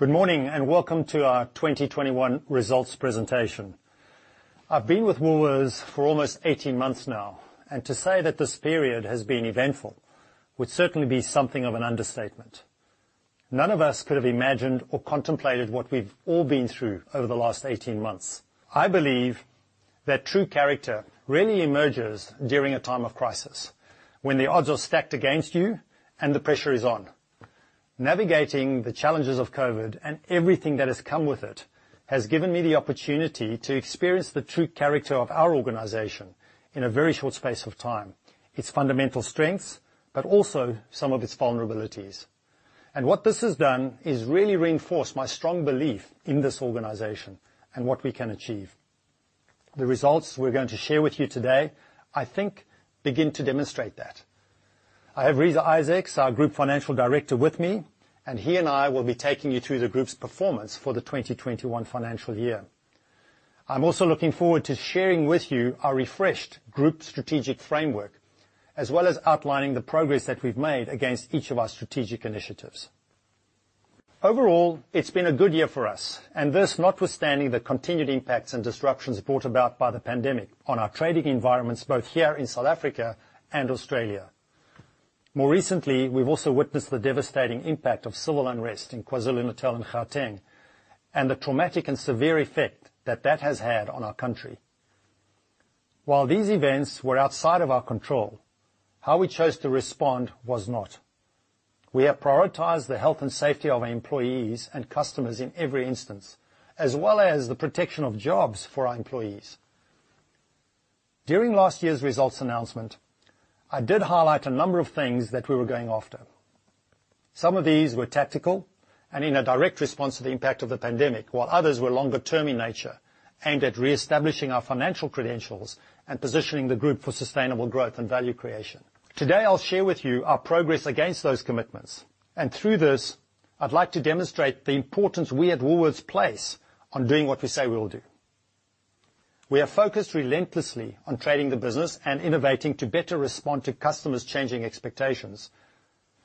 Good morning, welcome to our 2021 results presentation. I've been with Woolworths for almost 18 months now, and to say that this period has been eventful would certainly be something of an understatement. None of us could have imagined or contemplated what we've all been through over the last 18 months. I believe that true character really emerges during a time of crisis, when the odds are stacked against you and the pressure is on. Navigating the challenges of COVID and everything that has come with it has given me the opportunity to experience the true character of our organization in a very short space of time, its fundamental strengths, but also some of its vulnerabilities. What this has done is really reinforced my strong belief in this organization and what we can achieve. The results we're going to share with you today, I think, begin to demonstrate that. I have Reeza Isaacs, our Group Financial Director, with me, and he and I will be taking you through the group's performance for the 2021 financial year. I'm also looking forward to sharing with you our refreshed group strategic framework, as well as outlining the progress that we've made against each of our strategic initiatives. Overall, it's been a good year for us, and this notwithstanding the continued impacts and disruptions brought about by the pandemic on our trading environments, both here in South Africa and Australia. More recently, we've also witnessed the devastating impact of civil unrest in KwaZulu-Natal and Gauteng, and the traumatic and severe effect that that has had on our country. While these events were outside of our control, how we chose to respond was not. We have prioritized the health and safety of our employees and customers in every instance, as well as the protection of jobs for our employees. During last year's results announcement, I did highlight a number of things that we were going after. Some of these were tactical and in a direct response to the impact of the pandemic, while others were longer term in nature, aimed at reestablishing our financial credentials and positioning the group for sustainable growth and value creation. Today, I'll share with you our progress against those commitments. Through this, I'd like to demonstrate the importance we at Woolworths place on doing what we say we'll do. We are focused relentlessly on trading the business and innovating to better respond to customers' changing expectations.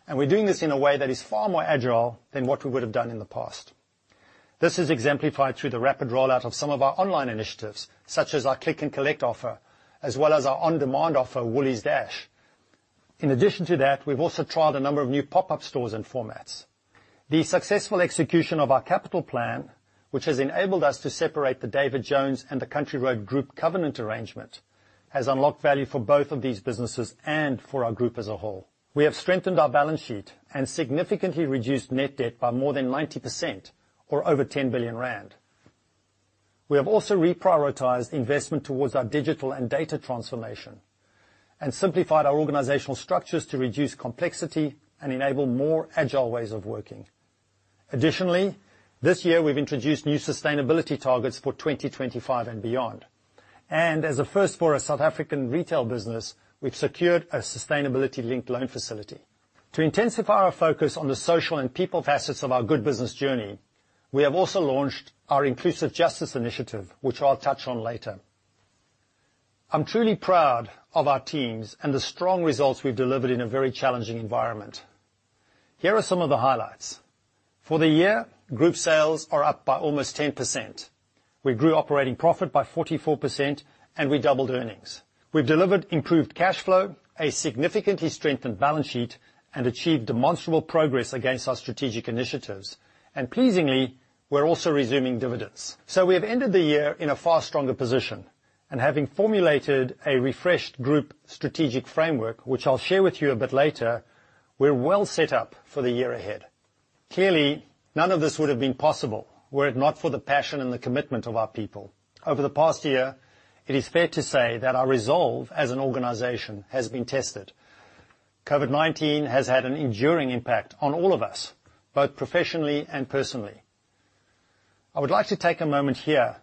We're doing this in a way that is far more agile than what we would've done in the past. This is exemplified through the rapid rollout of some of our online initiatives, such as our Click & Collect offer, as well as our on-demand offer, Woolies Dash. In addition to that, we've also trialed a number of new pop-up stores and formats. The successful execution of our capital plan, which has enabled us to separate the David Jones and the Country Road Group covenant arrangement, has unlocked value for both of these businesses and for our group as a whole. We have strengthened our balance sheet and significantly reduced net debt by more than 90%, or over 10 billion rand. We have also reprioritized investment towards our digital and data transformation and simplified our organizational structures to reduce complexity and enable more agile ways of working. Additionally, this year we've introduced new sustainability targets for 2025 and beyond. As a first for a South African retail business, we've secured a sustainability-linked loan facility. To intensify our focus on the social and people facets of our Good Business Journey, we have also launched our Inclusive Justice Initiative, which I'll touch on later. I'm truly proud of our teams and the strong results we've delivered in a very challenging environment. Here are some of the highlights. For the year, group sales are up by almost 10%. We grew operating profit by 44%, and we doubled earnings. We've delivered improved cash flow, a significantly strengthened balance sheet, and achieved demonstrable progress against our strategic initiatives. Pleasingly, we're also resuming dividends. We have ended the year in a far stronger position. Having formulated a refreshed group strategic framework, which I'll share with you a bit later, we're well set up for the year ahead. Clearly, none of this would've been possible were it not for the passion and the commitment of our people. Over the past year, it is fair to say that our resolve as an organization has been tested. COVID-19 has had an enduring impact on all of us, both professionally and personally. I would like to take a moment here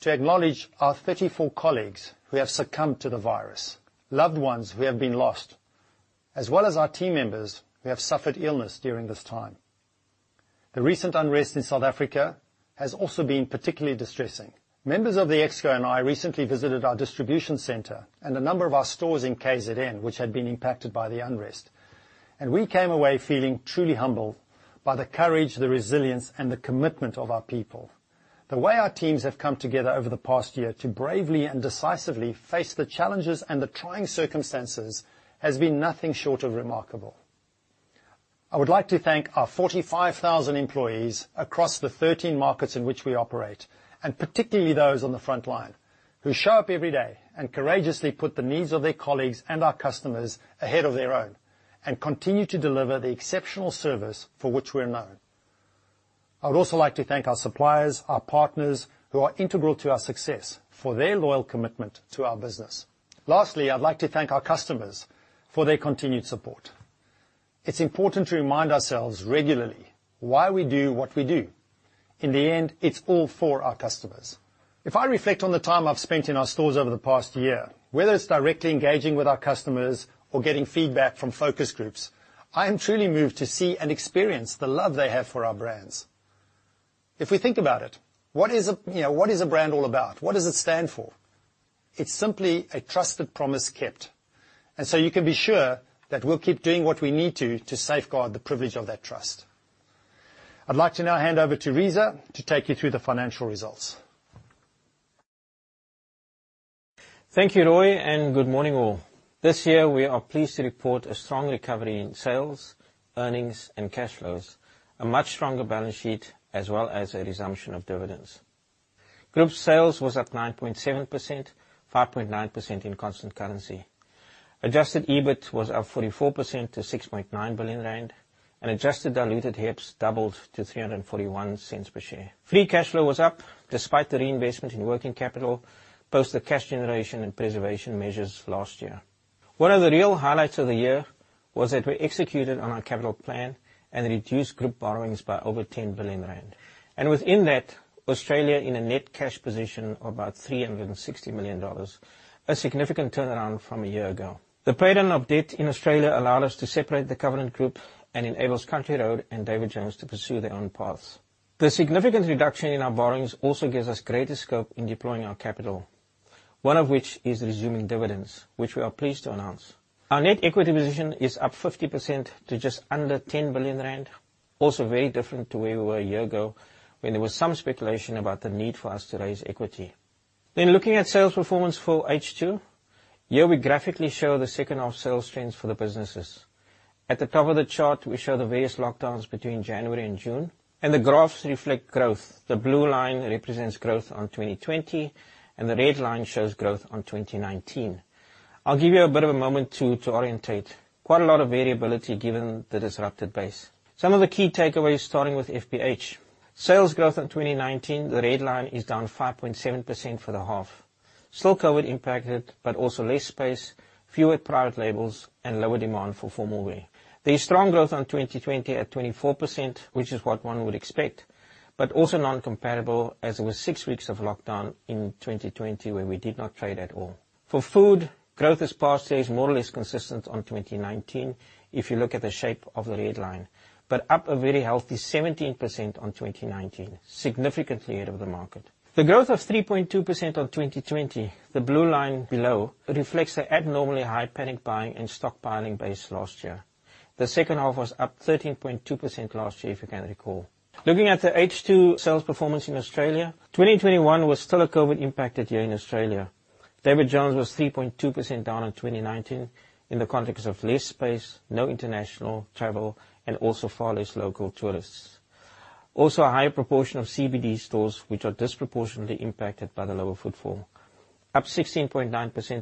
to acknowledge our 34 colleagues who have succumbed to the virus, loved ones who have been lost, as well as our team members who have suffered illness during this time. The recent unrest in South Africa has also been particularly distressing. Members of the ExCo and I recently visited our distribution center and a number of our stores in KZN which had been impacted by the unrest, and we came away feeling truly humbled by the courage, the resilience, and the commitment of our people. The way our teams have come together over the past year to bravely and decisively face the challenges and the trying circumstances has been nothing short of remarkable. I would like to thank our 45,000 employees across the 13 markets in which we operate, and particularly those on the frontline, who show up every day and courageously put the needs of their colleagues and our customers ahead of their own, and continue to deliver the exceptional service for which we're known. I would also like to thank our suppliers, our partners, who are integral to our success, for their loyal commitment to our business. Lastly, I'd like to thank our customers for their continued support. It's important to remind ourselves regularly why we do what we do. In the end, it's all for our customers. If I reflect on the time I've spent in our stores over the past year, whether it's directly engaging with our customers or getting feedback from focus groups, I am truly moved to see and experience the love they have for our brands. If we think about it, what is a brand all about? What does it stand for? It's simply a trusted promise kept. You can be sure that we'll keep doing what we need to safeguard the privilege of that trust. I'd like to now hand over to Reeza to take you through the financial results. Thank you, Roy, and good morning all. This year we are pleased to report a strong recovery in sales, earnings, and cash flows, a much stronger balance sheet, as well as a resumption of dividends. Group sales was up 9.7%, 5.9% in constant currency. Adjusted EBIT was up 44% to 6.9 billion rand, and adjusted diluted HEPS doubled to 3.41 per share. Free cash flow was up despite the reinvestment in working capital, post the cash generation and preservation measures last year. One of the real highlights of the year was that we executed on our capital plan and reduced group borrowings by over 10 billion rand. Within that, Australia in a net cash position of about 360 million dollars, a significant turnaround from a year ago. The pay down of debt in Australia allowed us to separate the covenant group and enables Country Road and David Jones to pursue their own paths. The significant reduction in our borrowings also gives us greater scope in deploying our capital, one of which is resuming dividends, which we are pleased to announce. Our net equity position is up 50% to just under 10 billion rand. Very different to where we were a year ago, when there was some speculation about the need for us to raise equity. Looking at sales performance for H2. Here we graphically show the second half sales trends for the businesses. At the top of the chart, we show the various lockdowns between January and June, and the graphs reflect growth. The blue line represents growth on 2020, and the red line shows growth on 2019. I'll give you a bit of a moment to orient. Quite a lot of variability given the disrupted base. Some of the key takeaways starting with FBH. Sales growth in 2019, the red line, is down 5.7% for the half. Still COVID-19 impacted, also less space, fewer private labels, and lower demand for formal wear. There is strong growth on 2020 at 24%, which is what one would expect, also non-comparable as there was six weeks of lockdown in 2020 where we did not trade at all. For food, growth this past stage more or less consistent on 2019, if you look at the shape of the red line, up a very healthy 17% on 2019, significantly ahead of the market. The growth of 3.2% on 2020, the blue line below, reflects the abnormally high panic buying and stockpiling base last year. The second half was up 13.2% last year, if you can recall. Looking at the H2 sales performance in Australia, 2021 was still a COVID impacted year in Australia. David Jones was 3.2% down on 2019 in the context of less space, no international travel, and also far less local tourists. Also, a higher proportion of CBD stores, which are disproportionately impacted by the lower footfall. Up 16.9%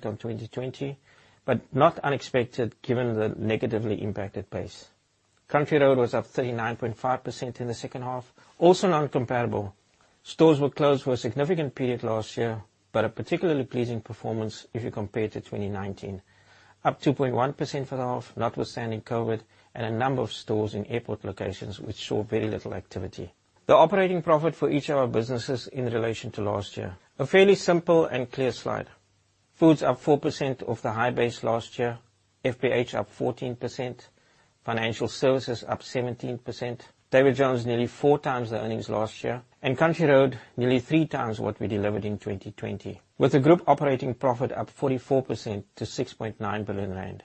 on 2020, but not unexpected given the negatively impacted base. Country Road was up 39.5% in the second half, also non-comparable. Stores were closed for a significant period last year, but a particularly pleasing performance if you compare to 2019, up 2.1% for the half, notwithstanding COVID and a number of stores in airport locations which saw very little activity. The operating profit for each of our businesses in relation to last year. A fairly simple and clear slide. Food's up 4% off the high base last year, FBH up 14%, Financial Services up 17%, David Jones nearly 4x the earnings last year, and Country Road nearly 3x what we delivered in 2020. With the group operating profit up 44% to 6.9 billion rand.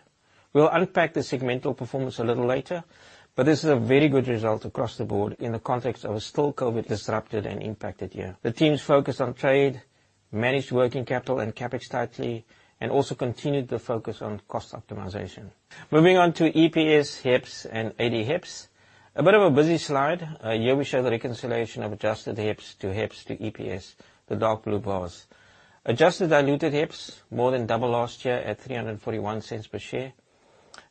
We'll unpack the segmental performance a little later, but this is a very good result across the board in the context of a still COVID-19 disrupted and impacted year. The teams focused on trade, managed working capital and CapEx tightly, and also continued to focus on cost optimization. Moving on to EPS, HEPS, and ADHEPS. A bit of a busy slide. Here we show the reconciliation of adjusted HEPS to HEPS to EPS, the dark blue bars. Adjusted diluted HEPS more than double last year at 3.41 per share.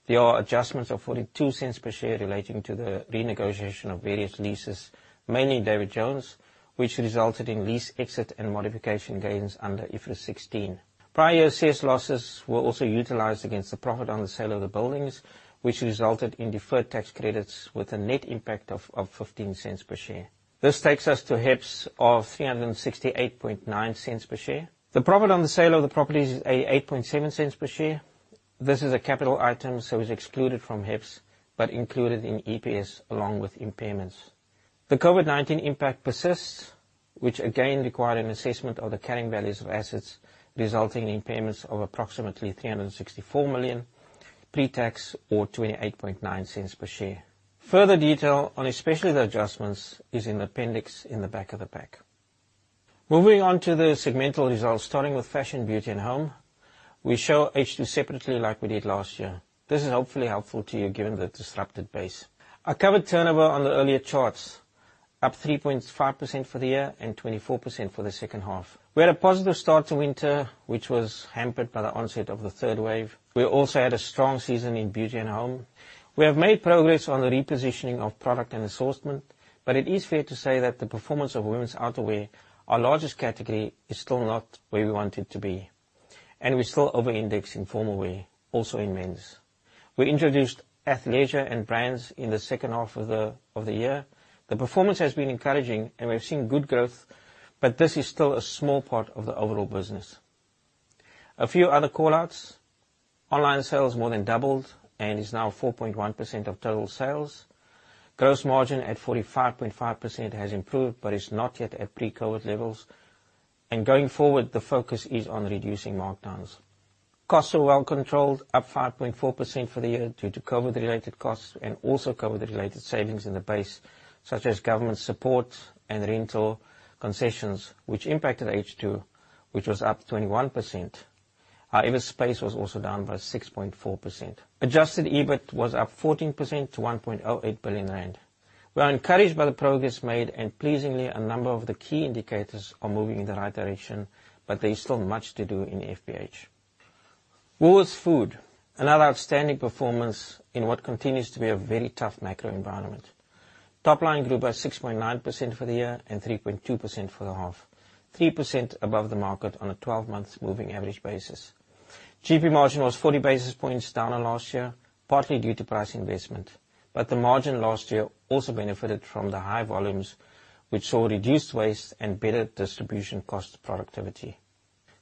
There are adjustments of 0.42 per share relating to the renegotiation of various leases, mainly David Jones, which resulted in lease exit and modification gains under IFRS 16. Prior-year CS losses were also utilized against the profit on the sale of the buildings, which resulted in deferred tax credits with a net impact of 0.15 per share. This takes us to HEPS of 3.689 per share. The profit on the sale of the property is 0.087 per share. This is a capital item, so is excluded from HEPS, but included in EPS along with impairments. The COVID-19 impact persists, which again required an assessment of the carrying values of assets, resulting in impairments of approximately 364 million pre-tax, or 0.289 per share. Further detail on especially the adjustments is in the appendix in the back of the pack. Moving on to the segmental results starting with Fashion, Beauty and Home. We show H2 separately like we did last year. This is hopefully helpful to you given the disrupted base. I covered turnover on the earlier charts, up 3.5% for the year and 24% for the second half. We had a positive start to winter, which was hampered by the onset of the third wave. We also had a strong season in beauty and home. We have made progress on the repositioning of product and assortment. It is fair to say that the performance of women's outerwear, our largest category, is still not where we want it to be, and we still over-index in formal wear, also in men's. We introduced athleisure and brands in the second half of the year. The performance has been encouraging and we've seen good growth, but this is still a small part of the overall business. A few other call-outs. Online sales more than doubled and is now 4.1% of total sales. Gross margin at 45.5% has improved, but is not yet at pre-COVID-19 levels. Going forward, the focus is on reducing markdowns. Costs are well controlled, up 5.4% for the year due to COVID-19 related costs and also COVID-19 related savings in the base, such as government support and rental concessions, which impacted H2, which was up 21%. However, space was also down by 6.4%. Adjusted EBIT was up 14% to 1.08 billion rand. We are encouraged by the progress made and pleasingly, a number of the key indicators are moving in the right direction, but there is still much to do in FBH. Woolworths Food, another outstanding performance in what continues to be a very tough macro environment. Topline grew by 6.9% for the year and 3.2% for the half, 3% above the market on a 12-month moving average basis. GP margin was 40 basis points down on last year, partly due to price investment, but the margin last year also benefited from the high volumes, which saw reduced waste and better distribution cost productivity.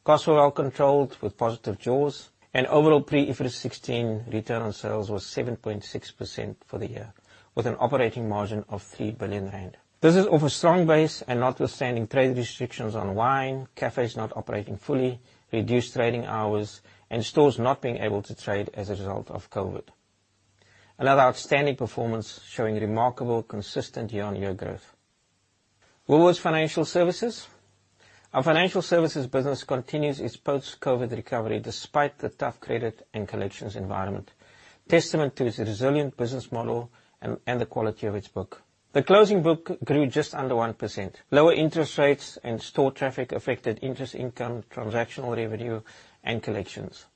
Costs were well controlled with positive jaws and overall pre-IFRS 16 return on sales was 7.6% for the year, with an operating margin of 3 billion rand. This is off a strong base and notwithstanding trade restrictions on wine, cafes not operating fully, reduced trading hours, and stores not being able to trade as a result of COVID-19. Another outstanding performance showing remarkable consistent year-on-year growth. Woolworths Financial Services. Our financial services business continues its post-COVID recovery despite the tough credit and collections environment, testament to its resilient business model and the quality of its book. The closing book grew just under 1%. Lower interest rates and store traffic affected interest income, transactional revenue, and collections.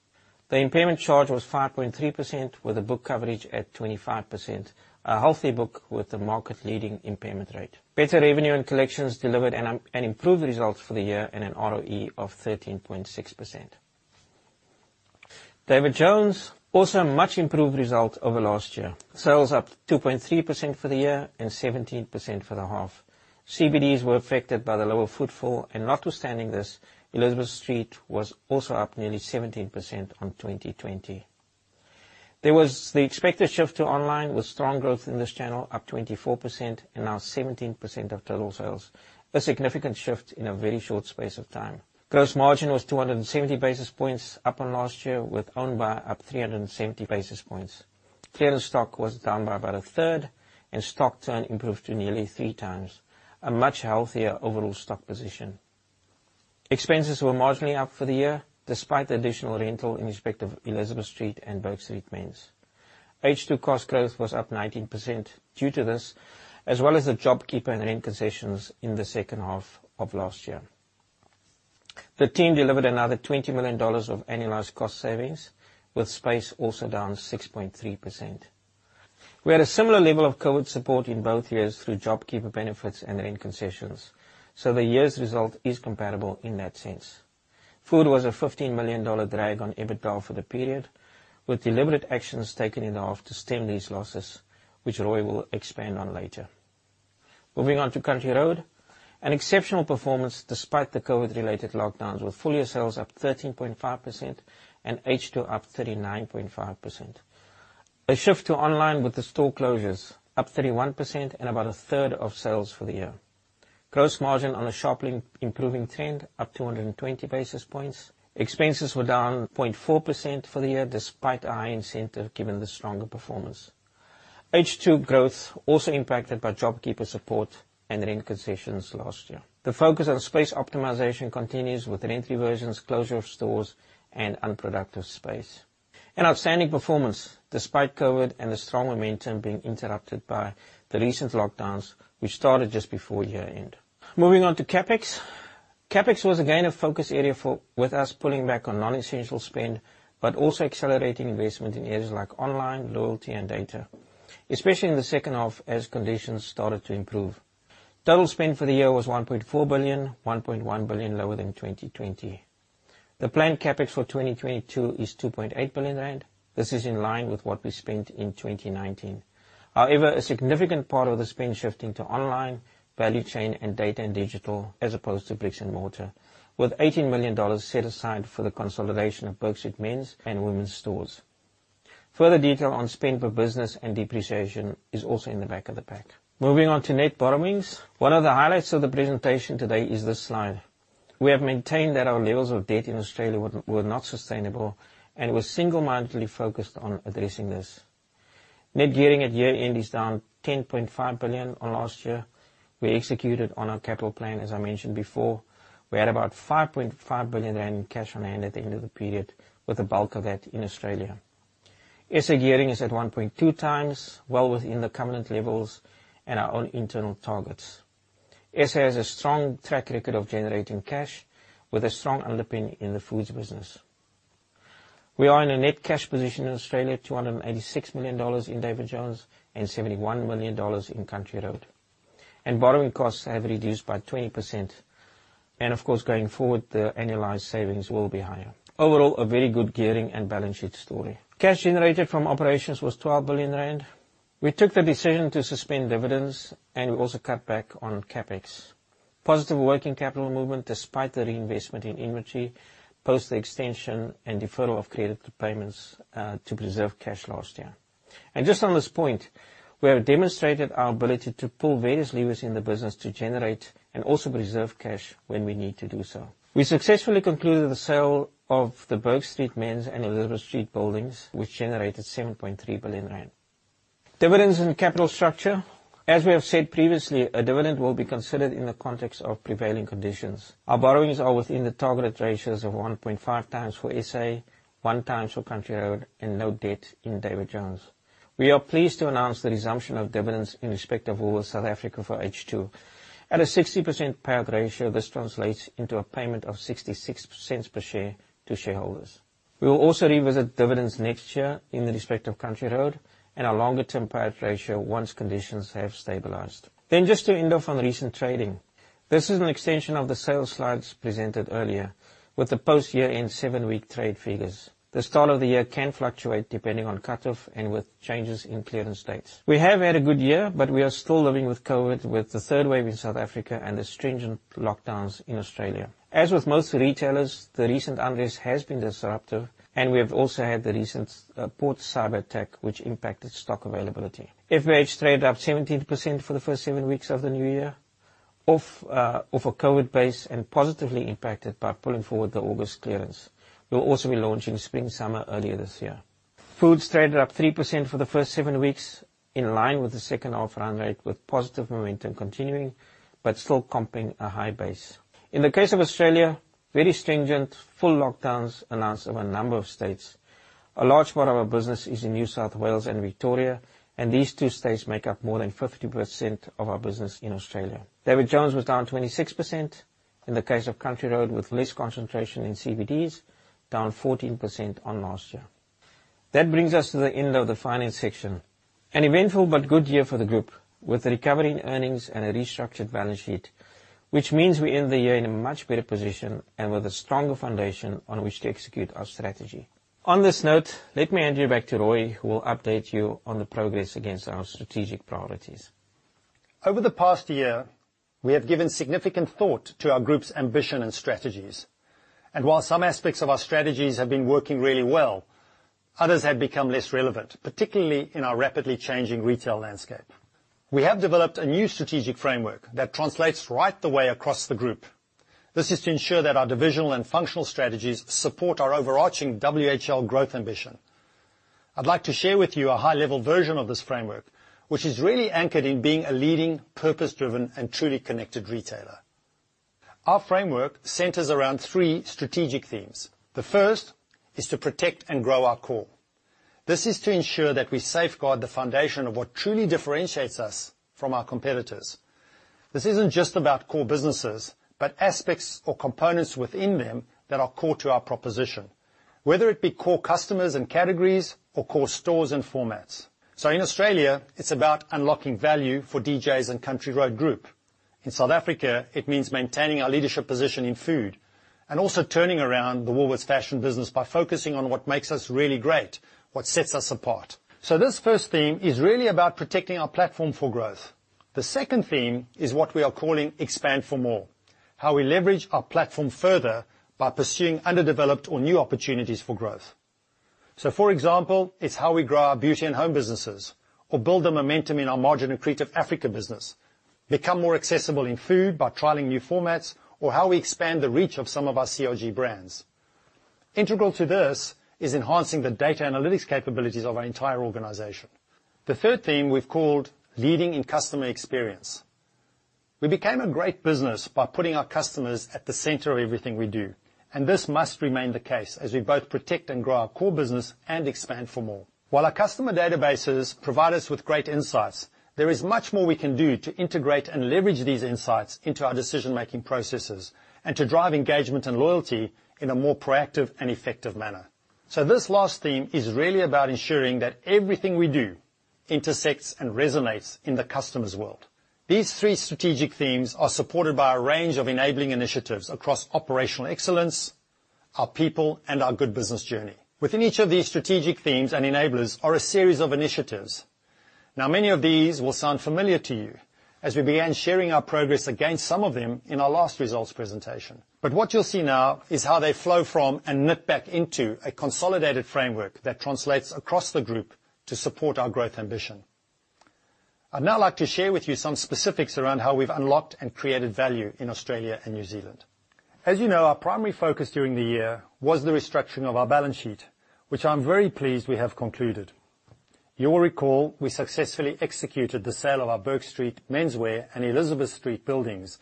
The impairment charge was 5.3%, with the book coverage at 25%, a healthy book with a market-leading impairment rate. Better revenue and collections delivered an improved result for the year and an ROE of 13.6%. David Jones, also a much improved result over last year. Sales up 2.3% for the year and 17% for the half. CBDs were affected by the lower footfall, and notwithstanding this, Elizabeth Street was also up nearly 17% on 2020. There was the expected shift to online with strong growth in this channel, up 24% and now 17% of total sales, a significant shift in a very short space of time. Gross margin was 270 basis points up on last year with Own Brand up 370 basis points. Clearance stock was down by about a third, and stock turn improved to nearly 3x, a much healthier overall stock position. Expenses were marginally up for the year, despite the additional rental in respect of Elizabeth Street and Bourke Street Men's. H2 cost growth was up 19% due to this, as well as the JobKeeper and rent concessions in the second half of last year. The team delivered another 20 million dollars of annualized cost savings, with space also down 6.3%. We had a similar level of COVID-19 support in both years through JobKeeper benefits and rent concessions, so the year's result is comparable in that sense. Food was a ZAR 15 million drag on EBITDA for the period, with deliberate actions taken in the half to stem these losses, which Roy will expand on later. Moving on to Country Road, an exceptional performance despite the COVID-19-related lockdowns, with full-year sales up 13.5% and H2 up 39.5%. A shift to online with the store closures up 31% and about a third of sales for the year. Gross margin on a sharply improving trend, up 220 basis points. Expenses were down 0.4% for the year, despite a high incentive given the stronger performance. H2 growth also impacted by JobKeeper support and rent concessions last year. The focus on space optimization continues with rent reversions, closure of stores, and unproductive space. Outstanding performance despite COVID and the strong momentum being interrupted by the recent lockdowns, which started just before year-end. Moving on to CapEx. CapEx was again a focus area with us pulling back on non-essential spend, but also accelerating investment in areas like online, loyalty, and data, especially in the second half as conditions started to improve. Total spend for the year was 1.4 billion, 1.1 billion lower than 2020. The planned CapEx for 2022 is 2.8 billion rand. This is in line with what we spent in 2019. However, a significant part of the spend shifting to online, value chain, and data and digital as opposed to bricks and mortar, with 18 million dollars set aside for the consolidation of Bourke Street Men's and Women's stores. Further detail on spend per business and depreciation is also in the back of the pack. Moving on to net borrowings. One of the highlights of the presentation today is this slide. We have maintained that our levels of debt in Australia were not sustainable, and we're single-mindedly focused on addressing this. Net gearing at year-end is down 10.5 billion on last year. We executed on our capital plan, as I mentioned before. We had about 5.5 billion rand in cash on hand at the end of the period, with the bulk of that in Australia. SA gearing is at 1.2x, well within the covenant levels and our own internal targets. SA has a strong track record of generating cash with a strong underpinning in the foods business. We are in a net cash position in Australia, 286 million dollars in David Jones and 71 million dollars in Country Road. Borrowing costs have reduced by 20%. Of course, going forward, the annualized savings will be higher. Overall, a very good gearing and balance sheet story. Cash generated from operations was 12 billion rand. We took the decision to suspend dividends, and we also cut back on CapEx. Positive working capital movement despite the reinvestment in inventory, post the extension and deferral of credit payments to preserve cash last year. Just on this point, we have demonstrated our ability to pull various levers in the business to generate and also preserve cash when we need to do so. We successfully concluded the sale of the Bourke Street Men's and Elizabeth Street buildings, which generated 7.3 billion rand. Dividends and capital structure. As we have said previously, a dividend will be considered in the context of prevailing conditions. Our borrowings are within the target ratios of 1.5x for SA, 1x for Country Road, and no debt in David Jones. We are pleased to announce the resumption of dividends in respect of Woolworths South Africa for H2. At a 60% payout ratio, this translates into a payment of 0.66 per share to shareholders. We will also revisit dividends next year in respect of Country Road and our longer-term payout ratio once conditions have stabilized. Just to end off on recent trading. This is an extension of the sales slides presented earlier with the post-year-end seven-week trade figures. The start of the year can fluctuate depending on cutoff and with changes in clearance dates. We have had a good year, but we are still living with COVID, with the third wave in South Africa and the stringent lockdowns in Australia. As with most retailers, the recent unrest has been disruptive, and we have also had the recent port cyberattack, which impacted stock availability. FBH traded up 17% for the first seven weeks of the new year off of a COVID-19 base and positively impacted by pulling forward the August clearance. We'll also be launching spring/summer earlier this year. Food traded up 3% for the first seven weeks, in line with the second half run rate, with positive momentum continuing, but still comping a high base. In the case of Australia, very stringent full lockdowns announced over a number of states. A large part of our business is in New South Wales and Victoria, and these two states make up more than 50% of our business in Australia. David Jones was down 26%. In the case of Country Road, with less concentration in CBDs, down 14% on last year. That brings us to the end of the finance section. An eventful but good year for the group, with a recovery in earnings and a restructured balance sheet, which means we end the year in a much better position and with a stronger foundation on which to execute our strategy. On this note, let me hand you back to Roy, who will update you on the progress against our strategic priorities. Over the past year, we have given significant thought to our group's ambition and strategies, while some aspects of our strategies have been working really well, others have become less relevant, particularly in our rapidly changing retail landscape. We have developed a new strategic framework that translates right the way across the group. This is to ensure that our divisional and functional strategies support our overarching WHL growth ambition. I'd like to share with you a high-level version of this framework, which is really anchored in being a leading, purpose-driven, and truly connected retailer. Our framework centers around three strategic themes. The first is to protect and grow our core. This is to ensure that we safeguard the foundation of what truly differentiates us from our competitors. This isn't just about core businesses, but aspects or components within them that are core to our proposition, whether it be core customers and categories or core stores and formats. In Australia, it's about unlocking value for DJs and Country Road Group. In South Africa, it means maintaining our leadership position in food and also turning around the Woolworths fashion business by focusing on what makes us really great, what sets us apart. This first theme is really about protecting our platform for growth. The second theme is what we are calling expand for more, how we leverage our platform further by pursuing underdeveloped or new opportunities for growth. For example, it's how we grow our beauty and home businesses or build the momentum in our margin-accretive Africa business, become more accessible in food by trialing new formats, or how we expand the reach of some of our CRG brands. Integral to this is enhancing the data analytics capabilities of our entire organization. The third theme we've called leading in customer experience. We became a great business by putting our customers at the center of everything we do, and this must remain the case as we both protect and grow our core business and expand for more. While our customer databases provide us with great insights, there is much more we can do to integrate and leverage these insights into our decision-making processes and to drive engagement and loyalty in a more proactive and effective manner. This last theme is really about ensuring that everything we do intersects and resonates in the customer's world. These three strategic themes are supported by a range of enabling initiatives across operational excellence, our people, and our Good Business Journey. Within each of these strategic themes and enablers are a series of initiatives. Now, many of these will sound familiar to you, as we began sharing our progress against some of them in our last results presentation. What you'll see now is how they flow from and knit back into a consolidated framework that translates across the Group to support our growth ambition. I'd now like to share with you some specifics around how we've unlocked and created value in Australia and New Zealand. As you know, our primary focus during the year was the restructuring of our balance sheet, which I'm very pleased we have concluded. You will recall we successfully executed the sale of our Bourke Street Menswear and Elizabeth Street buildings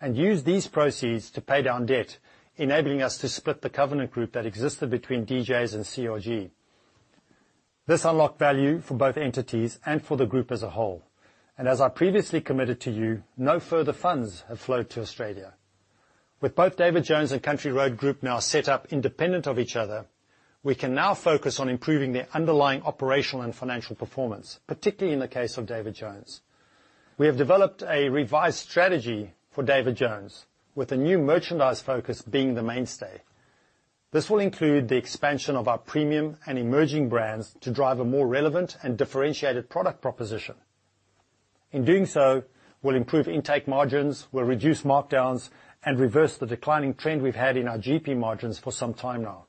and used these proceeds to pay down debt, enabling us to split the covenant group that existed between DJs and CRG. This unlocked value for both entities and for the group as a whole. As I previously committed to you, no further funds have flowed to Australia. With both David Jones and Country Road Group now set up independent of each other, we can now focus on improving their underlying operational and financial performance, particularly in the case of David Jones. We have developed a revised strategy for David Jones, with a new merchandise focus being the mainstay. This will include the expansion of our premium and emerging brands to drive a more relevant and differentiated product proposition. In doing so, we'll improve intake margins, we'll reduce markdowns, and reverse the declining trend we've had in our GP margins for some time now.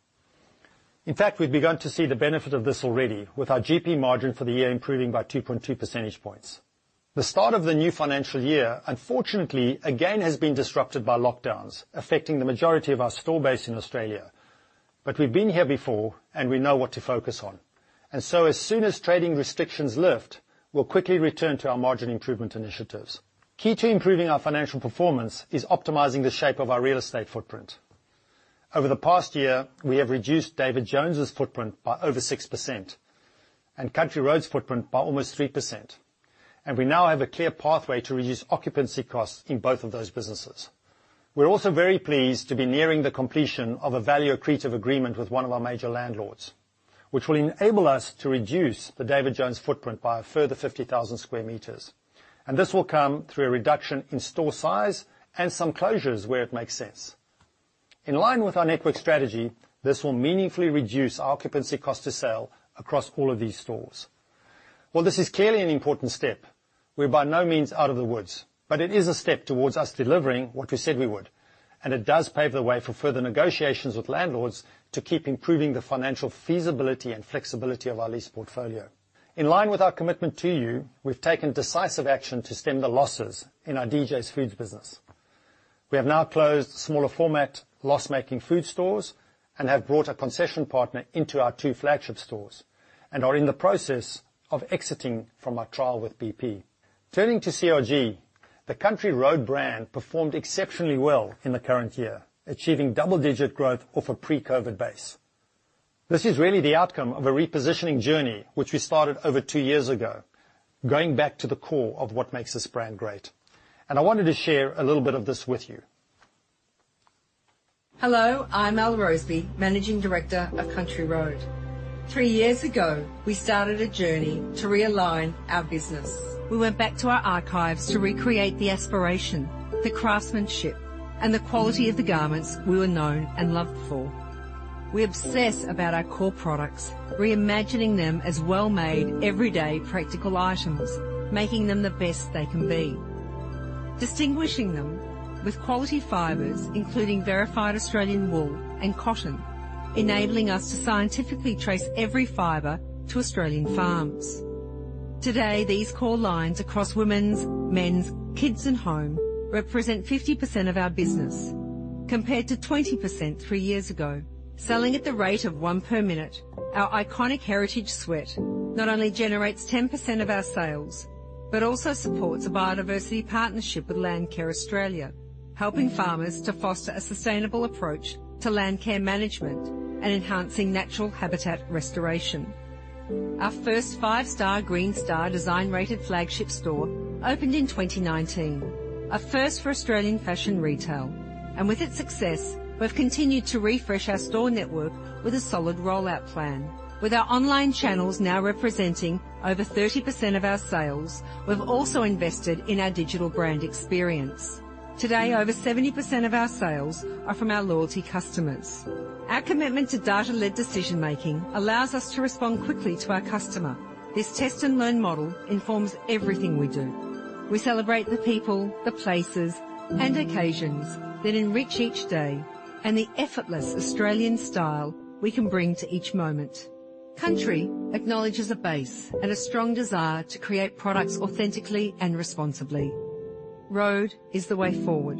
In fact, we've begun to see the benefit of this already, with our GP margin for the year improving by 2.2 percentage points. The start of the new financial year, unfortunately, again, has been disrupted by lockdowns, affecting the majority of our store base in Australia. We've been here before, and we know what to focus on. As soon as trading restrictions lift, we'll quickly return to our margin improvement initiatives. Key to improving our financial performance is optimizing the shape of our real estate footprint. Over the past year, we have reduced David Jones' footprint by over 6% and Country Road's footprint by almost 3%, and we now have a clear pathway to reduce occupancy costs in both of those businesses. We're also very pleased to be nearing the completion of a value accretive agreement with one of our major landlords, which will enable us to reduce the David Jones footprint by a further 50,000 sq m, and this will come through a reduction in store size and some closures where it makes sense. In line with our network strategy, this will meaningfully reduce our occupancy cost of sale across all of these stores. While this is clearly an important step, we're by no means out of the woods, but it is a step towards us delivering what we said we would, and it does pave the way for further negotiations with landlords to keep improving the financial feasibility and flexibility of our lease portfolio. In line with our commitment to you, we've taken decisive action to stem the losses in our DJ's Foods business. We have now closed smaller format loss-making food stores and have brought a concession partner into our two flagship stores and are in the process of exiting from our trial with BP. Turning to CRG, the Country Road brand performed exceptionally well in the current year, achieving double-digit growth off a pre-COVID base. This is really the outcome of a repositioning journey which we started over two years ago, going back to the core of what makes this brand great. I wanted to share a little bit of this with you. Hello, I'm Elle Roseby, Managing Director of Country Road. Three years ago, we started a journey to realign our business. We went back to our archives to recreate the aspiration, the craftsmanship, and the quality of the garments we were known and loved for. We obsess about our core products, reimagining them as well-made, everyday practical items, making them the best they can be, distinguishing them with quality fibers, including verified Australian wool and cotton, enabling us to scientifically trace every fiber to Australian farms. Today, these core lines across women's, men's, kids, and home represent 50% of our business, compared to 20% three years ago. Selling at the rate of one per minute, our iconic heritage sweat not only generates 10% of our sales, but also supports a biodiversity partnership with Landcare Australia, helping farmers to foster a sustainable approach to land care management and enhancing natural habitat restoration. Our first five-star Green Star design-rated flagship store opened in 2019, a first for Australian fashion retail. With its success, we've continued to refresh our store network with a solid rollout plan. With our online channels now representing over 30% of our sales, we've also invested in our digital brand experience. Today, over 70% of our sales are from our loyalty customers. Our commitment to data-led decision-making allows us to respond quickly to our customer. This test-and-learn model informs everything we do. We celebrate the people, the places, and occasions that enrich each day, the effortless Australian style we can bring to each moment. Country acknowledges a base and a strong desire to create products authentically and responsibly. Road is the way forward.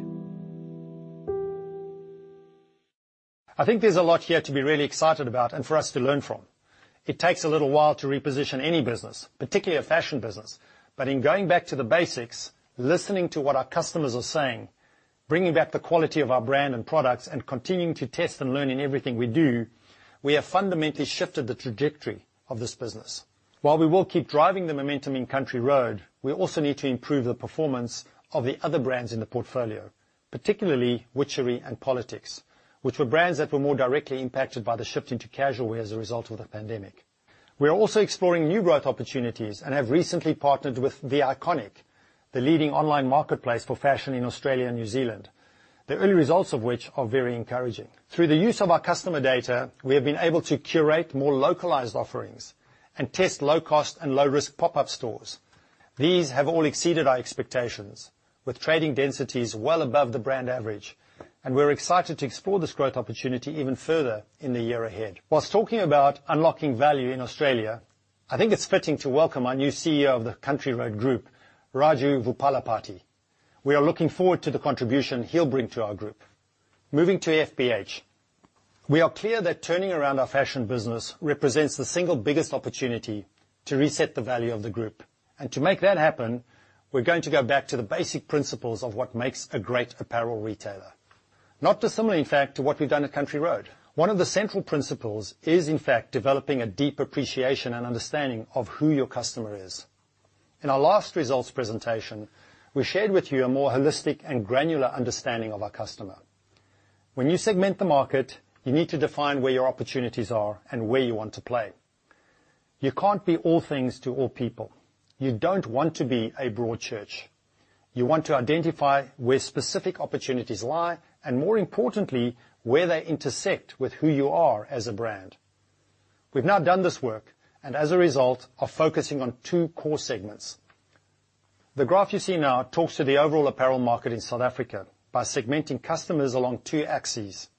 I think there's a lot here to be really excited about and for us to learn from. It takes a little while to reposition any business, particularly a fashion business. In going back to the basics, listening to what our customers are saying, bringing back the quality of our brand and products, and continuing to test and learn in everything we do, we have fundamentally shifted the trajectory of this business. While we will keep driving the momentum in Country Road, we also need to improve the performance of the other brands in the portfolio, particularly Witchery and POLITIX, which were brands that were more directly impacted by the shift into casual wear as a result of the pandemic. We are also exploring new growth opportunities and have recently partnered with The Iconic, the leading online marketplace for fashion in Australia and New Zealand, the early results of which are very encouraging. Through the use of our customer data, we have been able to curate more localized offerings and test low-cost and low-risk pop-up stores. These have all exceeded our expectations, with trading densities well above the brand average, and we're excited to explore this growth opportunity even further in the year ahead. Whilst talking about unlocking value in Australia, I think it's fitting to welcome our new CEO of the Country Road Group, Raju Vuppalapati. We are looking forward to the contribution he'll bring to our group. Moving to FBH, we are clear that turning around our fashion business represents the single biggest opportunity to reset the value of the group. To make that happen, we're going to go back to the basic principles of what makes a great apparel retailer. Not dissimilar, in fact, to what we've done at Country Road. One of the central principles is, in fact, developing a deep appreciation and understanding of who your customer is. In our last results presentation, we shared with you a more holistic and granular understanding of our customer. When you segment the market, you need to define where your opportunities are and where you want to play. You can't be all things to all people. You don't want to be a broad church. You want to identify where specific opportunities lie, and more importantly, where they intersect with who you are as a brand. We've now done this work, and as a result, are focusing on two core segments. The graph you see now talks to the overall apparel market in South Africa by segmenting customers along two axes.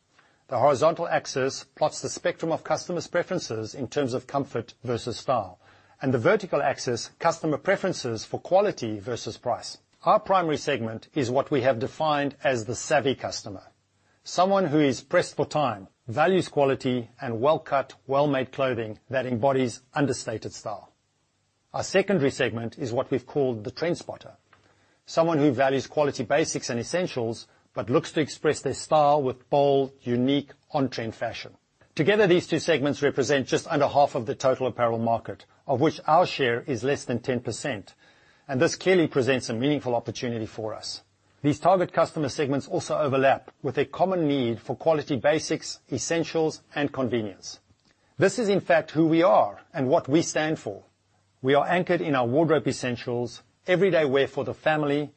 The horizontal axis plots the spectrum of customers' preferences in terms of comfort versus style, and the vertical axis, customer preferences for quality versus price. Our primary segment is what we have defined as the savvy customer, someone who is pressed for time, values quality, and well-cut, well-made clothing that embodies understated style. Our secondary segment is what we've called the trendspotter, someone who values quality basics and essentials, but looks to express their style with bold, unique, on-trend fashion. Together, these two segments represent just under half of the total apparel market, of which our share is less than 10%. This clearly presents a meaningful opportunity for us. These target customer segments also overlap with a common need for quality basics, essentials, and convenience. This is, in fact, who we are and what we stand for. We are anchored in our wardrobe essentials, everyday wear for the family,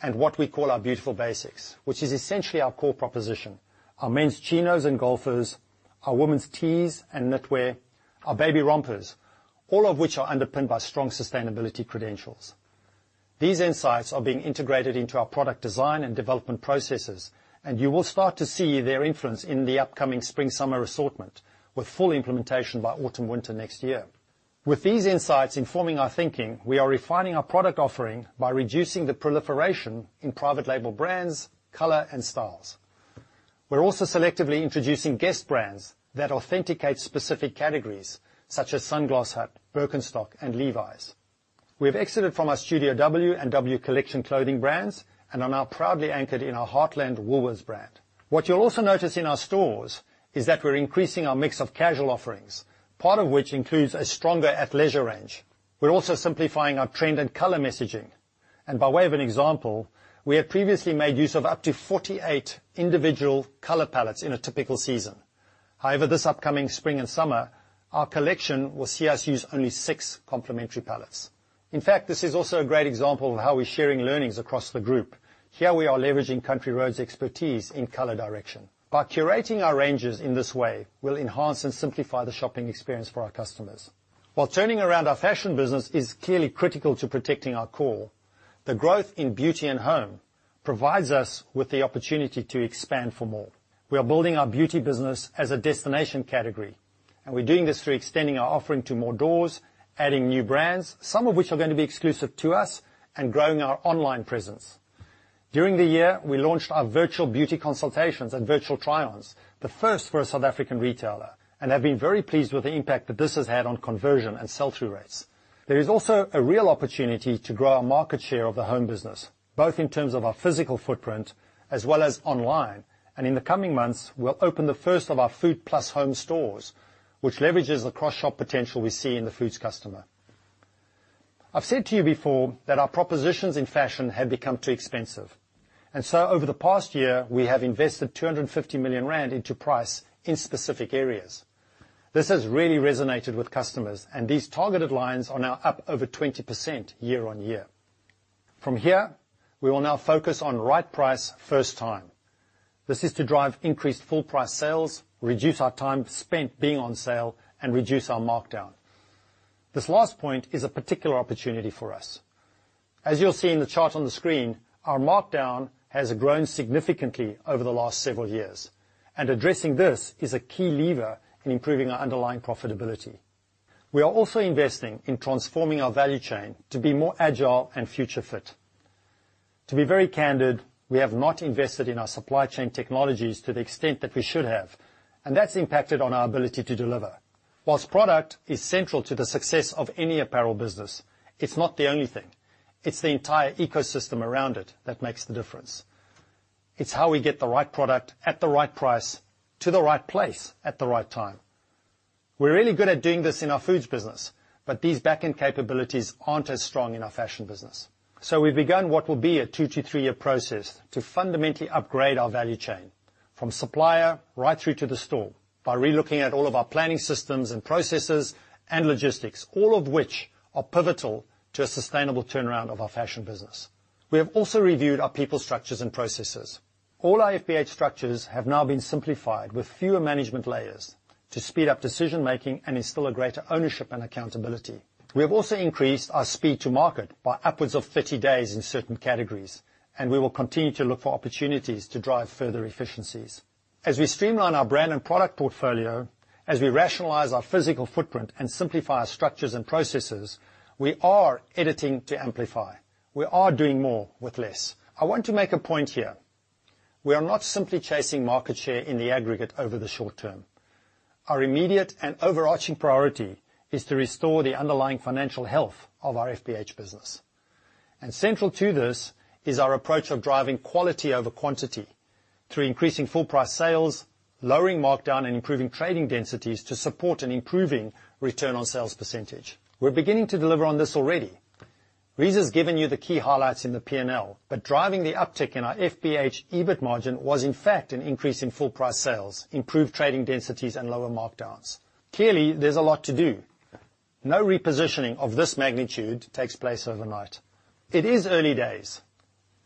and what we call our beautiful basics, which is essentially our core proposition. Our men's chinos and golfers, our women's tees and knitwear, our baby rompers, all of which are underpinned by strong sustainability credentials. These insights are being integrated into our product design and development processes, and you will start to see their influence in the upcoming spring/summer assortment, with full implementation by autumn/winter next year. With these insights informing our thinking, we are refining our product offering by reducing the proliferation in private label brands, color, and styles. We're also selectively introducing guest brands that authenticate specific categories, such as Sunglass Hut, Birkenstock, and Levi's. We have exited from our Studio.W and W Collection clothing brands and are now proudly anchored in our heartland Woolworths brand. What you'll also notice in our stores is that we're increasing our mix of casual offerings, part of which includes a stronger athleisure range. We're also simplifying our trend and color messaging. By way of an example, we have previously made use of up to 48 individual color palettes in a typical season. However, this upcoming spring and summer, our collection will see us use only six complementary palettes. In fact, this is also a great example of how we're sharing learnings across the group. Here we are leveraging Country Road's expertise in color direction. By curating our ranges in this way, we'll enhance and simplify the shopping experience for our customers. While turning around our fashion business is clearly critical to protecting our core, the growth in beauty and home provides us with the opportunity to expand for more. We are building our beauty business as a destination category, and we're doing this through extending our offering to more doors, adding new brands, some of which are going to be exclusive to us, and growing our online presence. During the year, we launched our virtual beauty consultations and virtual try-ons, the first for a South African retailer, and have been very pleased with the impact that this has had on conversion and sell-through rates. There is also a real opportunity to grow our market share of the home business, both in terms of our physical footprint as well as online. In the coming months, we'll open the first of our Food Plus Home stores, which leverages the cross-shop potential we see in the foods customer. I've said to you before that our propositions in fashion had become too expensive. Over the past year, we have invested 250 million rand into price in specific areas. This has really resonated with customers, and these targeted lines are now up over 20% year on year. From here, we will now focus on right price, first time. This is to drive increased full price sales, reduce our time spent being on sale, and reduce our markdown. This last point is a particular opportunity for us. As you'll see in the chart on the screen, our markdown has grown significantly over the last several years, and addressing this is a key lever in improving our underlying profitability. We are also investing in transforming our value chain to be more agile and future fit. To be very candid, we have not invested in our supply chain technologies to the extent that we should have. That's impacted on our ability to deliver. Whilst product is central to the success of any apparel business, it's not the only thing. It's the entire ecosystem around it that makes the difference. It's how we get the right product at the right price to the right place at the right time. We're really good at doing this in our foods business. These back-end capabilities aren't as strong in our fashion business. We've begun what will be a two to three-year process to fundamentally upgrade our value chain from supplier right through to the store by relooking at all of our planning systems and processes and logistics, all of which are pivotal to a sustainable turnaround of our fashion business. We have also reviewed our people structures and processes. All our FBH structures have now been simplified with fewer management layers to speed up decision-making and instill a greater ownership and accountability. We have also increased our speed to market by upwards of 30 days in certain categories, and we will continue to look for opportunities to drive further efficiencies. As we streamline our brand and product portfolio, as we rationalize our physical footprint and simplify our structures and processes, we are editing to amplify. We are doing more with less. I want to make a point here. We are not simply chasing market share in the aggregate over the short term. Our immediate and overarching priority is to restore the underlying financial health of our FBH business. Central to this is our approach of driving quality over quantity through increasing full price sales, lowering markdown, and improving trading densities to support an improving return on sales percentage. We're beginning to deliver on this already. Reeza's given you the key highlights in the P&L, but driving the uptick in our FBH EBIT margin was, in fact, an increase in full price sales, improved trading densities, and lower markdowns. Clearly, there's a lot to do. No repositioning of this magnitude takes place overnight. It is early days.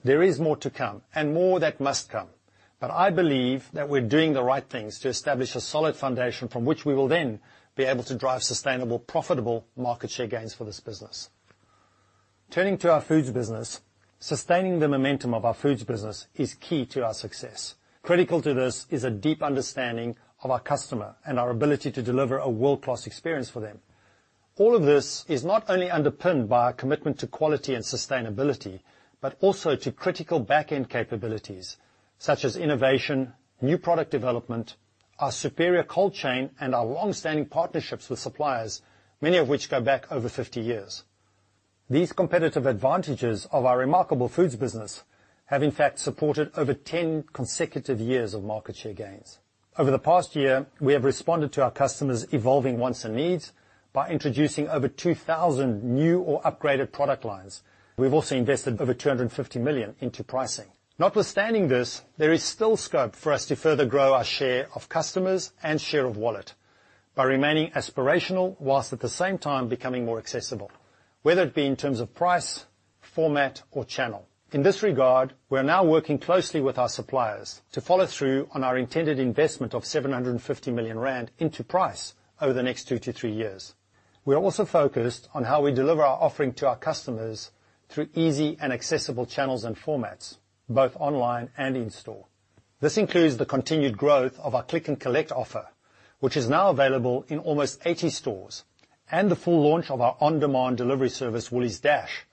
There is more to come, and more that must come. I believe that we're doing the right things to establish a solid foundation from which we will then be able to drive sustainable, profitable market share gains for this business. Turning to our Foods business, sustaining the momentum of our Foods business is key to our success. Critical to this is a deep understanding of our customer and our ability to deliver a world-class experience for them. All of this is not only underpinned by our commitment to quality and sustainability, but also to critical back end capabilities such as innovation, new product development, our superior cold chain, and our long-standing partnerships with suppliers, many of which go back over 50 years. These competitive advantages of our remarkable Foods business have in fact supported over 10 consecutive years of market share gains. Over the past year, we have responded to our customers' evolving wants and needs by introducing over 2,000 new or upgraded product lines. We've also invested over 250 million into pricing. Notwithstanding this, there is still scope for us to further grow our share of customers and share of wallet by remaining aspirational while at the same time becoming more accessible, whether it be in terms of price, format, or channel. In this regard, we are now working closely with our suppliers to follow through on our intended investment of 750 million rand into price over the next two to three years. We are also focused on how we deliver our offering to our customers through easy and accessible channels and formats, both online and in store. This includes the continued growth of our Click & Collect offer, which is now available in almost 80 stores, and the full launch of our on-demand delivery service, Woolies Dash,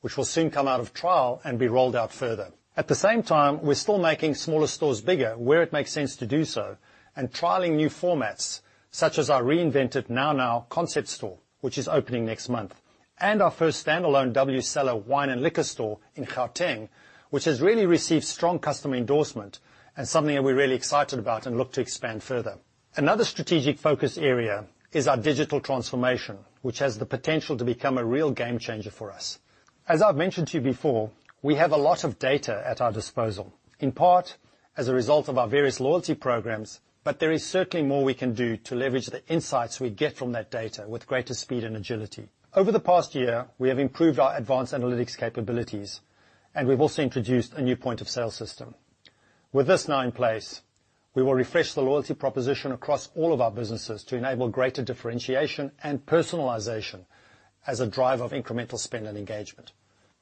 which will soon come out of trial and be rolled out further. At the same time, we're still making smaller stores bigger where it makes sense to do so, and trialing new formats such as our reinvented NOW NOW concept store, which is opening next month, and our first standalone WCellar wine and liquor store in Gauteng, which has really received strong customer endorsement and something that we're really excited about and look to expand further. Another strategic focus area is our digital transformation, which has the potential to become a real game changer for us. As I've mentioned to you before, we have a lot of data at our disposal, in part as a result of our various loyalty programs, but there is certainly more we can do to leverage the insights we get from that data with greater speed and agility. Over the past year, we have improved our advanced analytics capabilities, and we've also introduced a new point of sale system. With this now in place, we will refresh the loyalty proposition across all of our businesses to enable greater differentiation and personalization as a driver of incremental spend and engagement.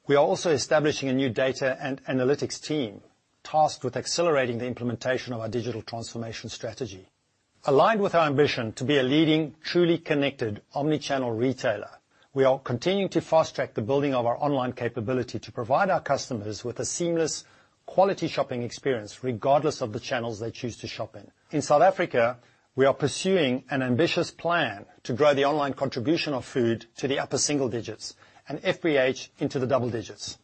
We are also establishing a new data and analytics team tasked with accelerating the implementation of our digital transformation strategy. Aligned with our ambition to be a leading, truly connected omni-channel retailer, we are continuing to fast-track the building of our online capability to provide our customers with a seamless quality shopping experience regardless of the channels they choose to shop in. In South Africa, we are pursuing an ambitious plan to grow the online contribution of Food to the upper single digits and FBH into the double digits.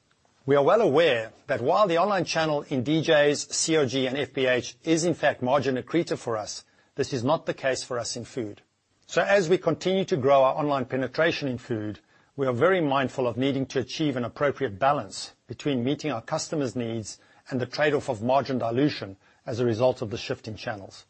We are well aware that while the online channel in DJs, CRG, and FBH is in fact margin accretive for us, this is not the case for us in Food. As we continue to grow our online penetration in Food, we are very mindful of needing to achieve an appropriate balance between meeting our customers' needs and the trade-off of margin dilution as a result of the shift in channels.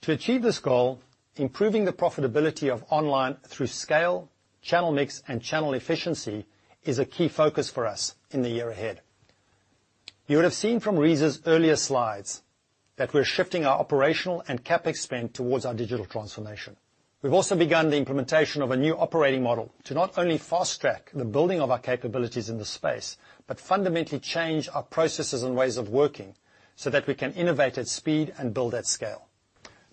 To achieve this goal, improving the profitability of online through scale, channel mix, and channel efficiency is a key focus for us in the year ahead. You would have seen from Reeza's earlier slides that we're shifting our operational and CapEx spend towards our digital transformation. We've also begun the implementation of a new operating model to not only fast-track the building of our capabilities in this space, but fundamentally change our processes and ways of working so that we can innovate at speed and build at scale.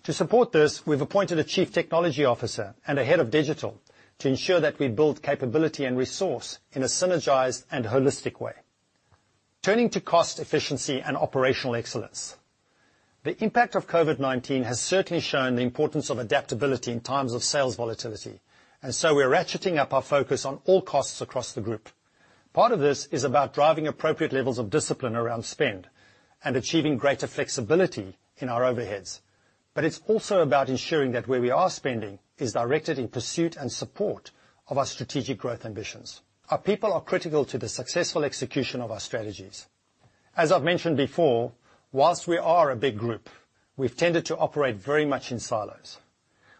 To support this, we've appointed a chief technology officer and a head of digital to ensure that we build capability and resource in a synergized and holistic way. Turning to cost efficiency and operational excellence. The impact of COVID-19 has certainly shown the importance of adaptability in times of sales volatility. We are ratcheting up our focus on all costs across the group. Part of this is about driving appropriate levels of discipline around spend and achieving greater flexibility in our overheads. It's also about ensuring that where we are spending is directed in pursuit and support of our strategic growth ambitions. Our people are critical to the successful execution of our strategies. As I've mentioned before, whilst we are a big group, we've tended to operate very much in silos.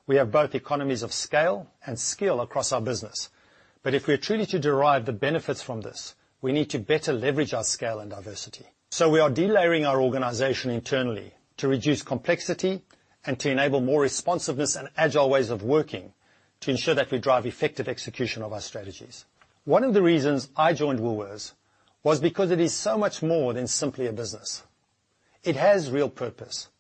We have both economies of scale and skill across our business. If we are truly to derive the benefits from this, we need to better leverage our scale and diversity. We are delayering our organization internally to reduce complexity and to enable more responsiveness and agile ways of working to ensure that we drive effective execution of our strategies. One of the reasons I joined Woolworths was because it is so much more than simply a business. It has real purpose,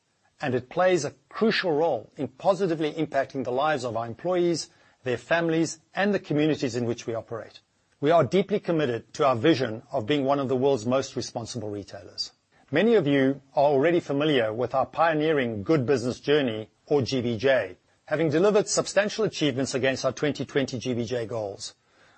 and it plays a crucial role in positively impacting the lives of our employees, their families, and the communities in which we operate. We are deeply committed to our vision of being one of the world's most responsible retailers. Many of you are already familiar with our pioneering Good Business Journey, or GBJ. Having delivered substantial achievements against our 2020 GBJ goals,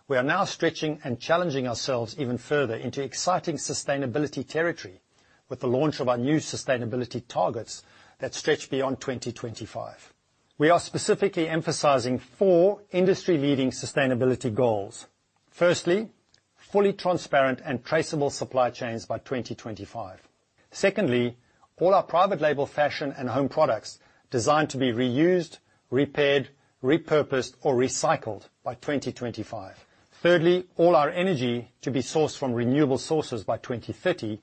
we are now stretching and challenging ourselves even further into exciting sustainability territory with the launch of our new sustainability targets that stretch beyond 2025. We are specifically emphasizing four industry-leading sustainability goals. Firstly, fully transparent and traceable supply chains by 2025. Secondly, all our private label fashion and home products designed to be reused, repaired, repurposed, or recycled by 2025. Thirdly, all our energy to be sourced from renewable sources by 2030.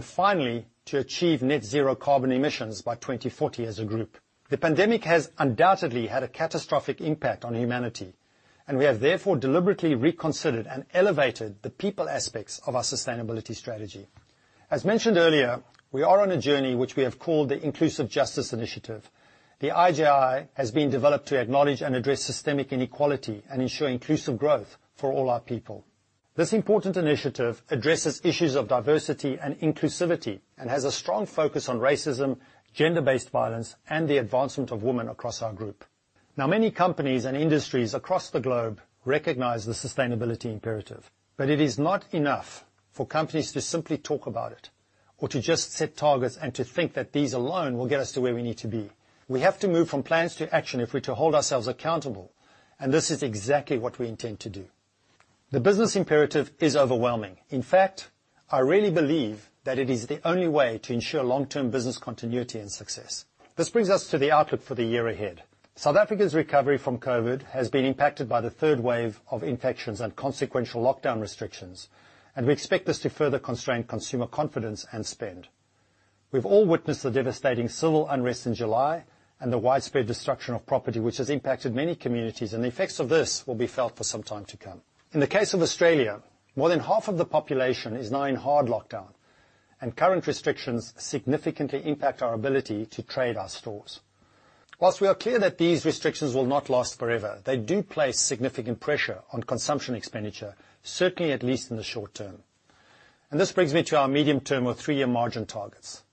Finally, to achieve net zero carbon emissions by 2040 as a group. The pandemic has undoubtedly had a catastrophic impact on humanity, and we have therefore deliberately reconsidered and elevated the people aspects of our sustainability strategy. As mentioned earlier, we are on a journey which we have called the Inclusive Justice Initiative. The IJI has been developed to acknowledge and address systemic inequality and ensure inclusive growth for all our people. This important initiative addresses issues of diversity and inclusivity and has a strong focus on racism, gender-based violence, and the advancement of women across our group. Many companies and industries across the globe recognize the sustainability imperative, but it is not enough for companies to simply talk about it or to just set targets and to think that these alone will get us to where we need to be. We have to move from plans to action if we're to hold ourselves accountable, this is exactly what we intend to do. The business imperative is overwhelming. In fact, I really believe that it is the only way to ensure long-term business continuity and success. This brings us to the outlook for the year ahead. South Africa's recovery from COVID has been impacted by the third wave of infections and consequential lockdown restrictions, we expect this to further constrain consumer confidence and spend. We've all witnessed the devastating civil unrest in July and the widespread destruction of property, which has impacted many communities, and the effects of this will be felt for some time to come. In the case of Australia, more than half of the population is now in hard lockdown, and current restrictions significantly impact our ability to trade our stores. Whilst we are clear that these restrictions will not last forever, they do place significant pressure on consumption expenditure, certainly at least in the short term. This brings me to our medium term or three-year margin targets.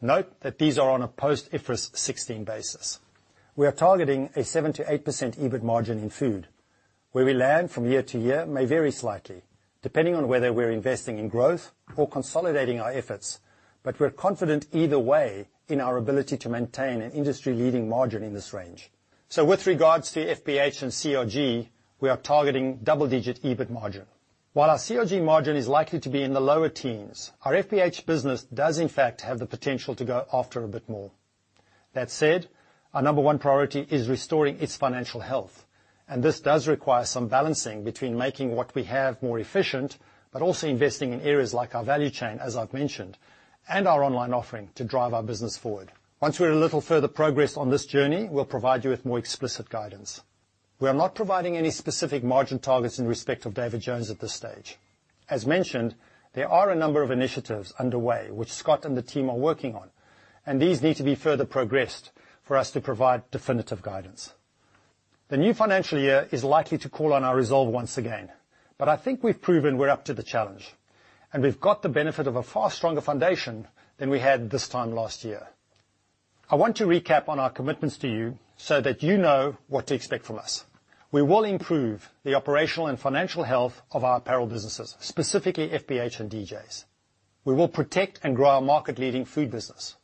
Note that these are on a post-IFRS 16 basis. We are targeting a 7%-8% EBIT margin in food. Where we land from year to year may vary slightly, depending on whether we're investing in growth or consolidating our efforts. We're confident either way in our ability to maintain an industry-leading margin in this range. With regards to FBH and CRG, we are targeting double-digit EBIT margin. While our CRG margin is likely to be in the lower teens, our FBH business does in fact have the potential to go after a bit more. That said, our number one priority is restoring its financial health, and this does require some balancing between making what we have more efficient, but also investing in areas like our value chain, as I've mentioned, and our online offering to drive our business forward. Once we're a little further progressed on this journey, we'll provide you with more explicit guidance. We are not providing any specific margin targets in respect of David Jones at this stage. As mentioned, there are a number of initiatives underway which Scott and the team are working on, and these need to be further progressed for us to provide definitive guidance. The new financial year is likely to call on our resolve once again. I think we've proven we're up to the challenge, and we've got the benefit of a far stronger foundation than we had this time last year. I want to recap on our commitments to you so that you know what to expect from us. We will improve the operational and financial health of our apparel businesses, specifically FBH and DJs. We will protect and grow our market-leading food business.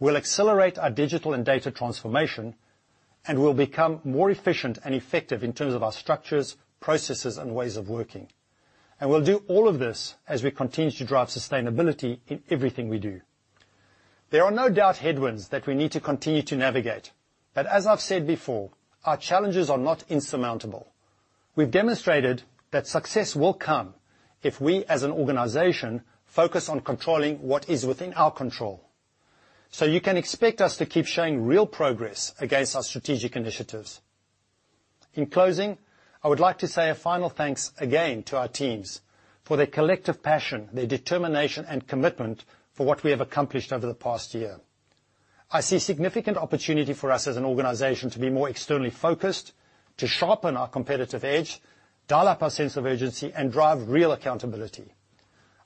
We'll accelerate our digital and data transformation. We'll become more efficient and effective in terms of our structures, processes, and ways of working. We'll do all of this as we continue to drive sustainability in everything we do. There are no doubt headwinds that we need to continue to navigate, but as I've said before, our challenges are not insurmountable. We've demonstrated that success will come if we, as an organization, focus on controlling what is within our control. You can expect us to keep showing real progress against our strategic initiatives. In closing, I would like to say a final thanks again to our teams for their collective passion, their determination, and commitment for what we have accomplished over the past year. I see significant opportunity for us as an organization to be more externally focused, to sharpen our competitive edge, dial up our sense of urgency, and drive real accountability.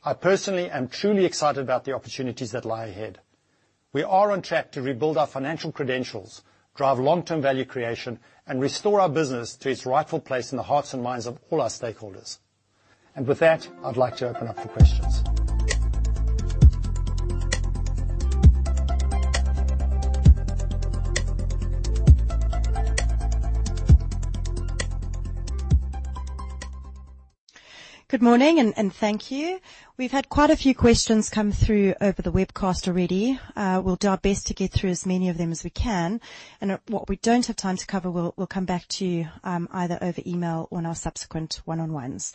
I personally am truly excited about the opportunities that lie ahead. We are on track to rebuild our financial credentials, drive long-term value creation, and restore our business to its rightful place in the hearts and minds of all our stakeholders. With that, I'd like to open up for questions. Good morning, and thank you. We've had quite a few questions come through over the webcast already. We'll do our best to get through as many of them as we can. What we don't have time to cover, we'll come back to you, either over email or in our subsequent one-on-ones.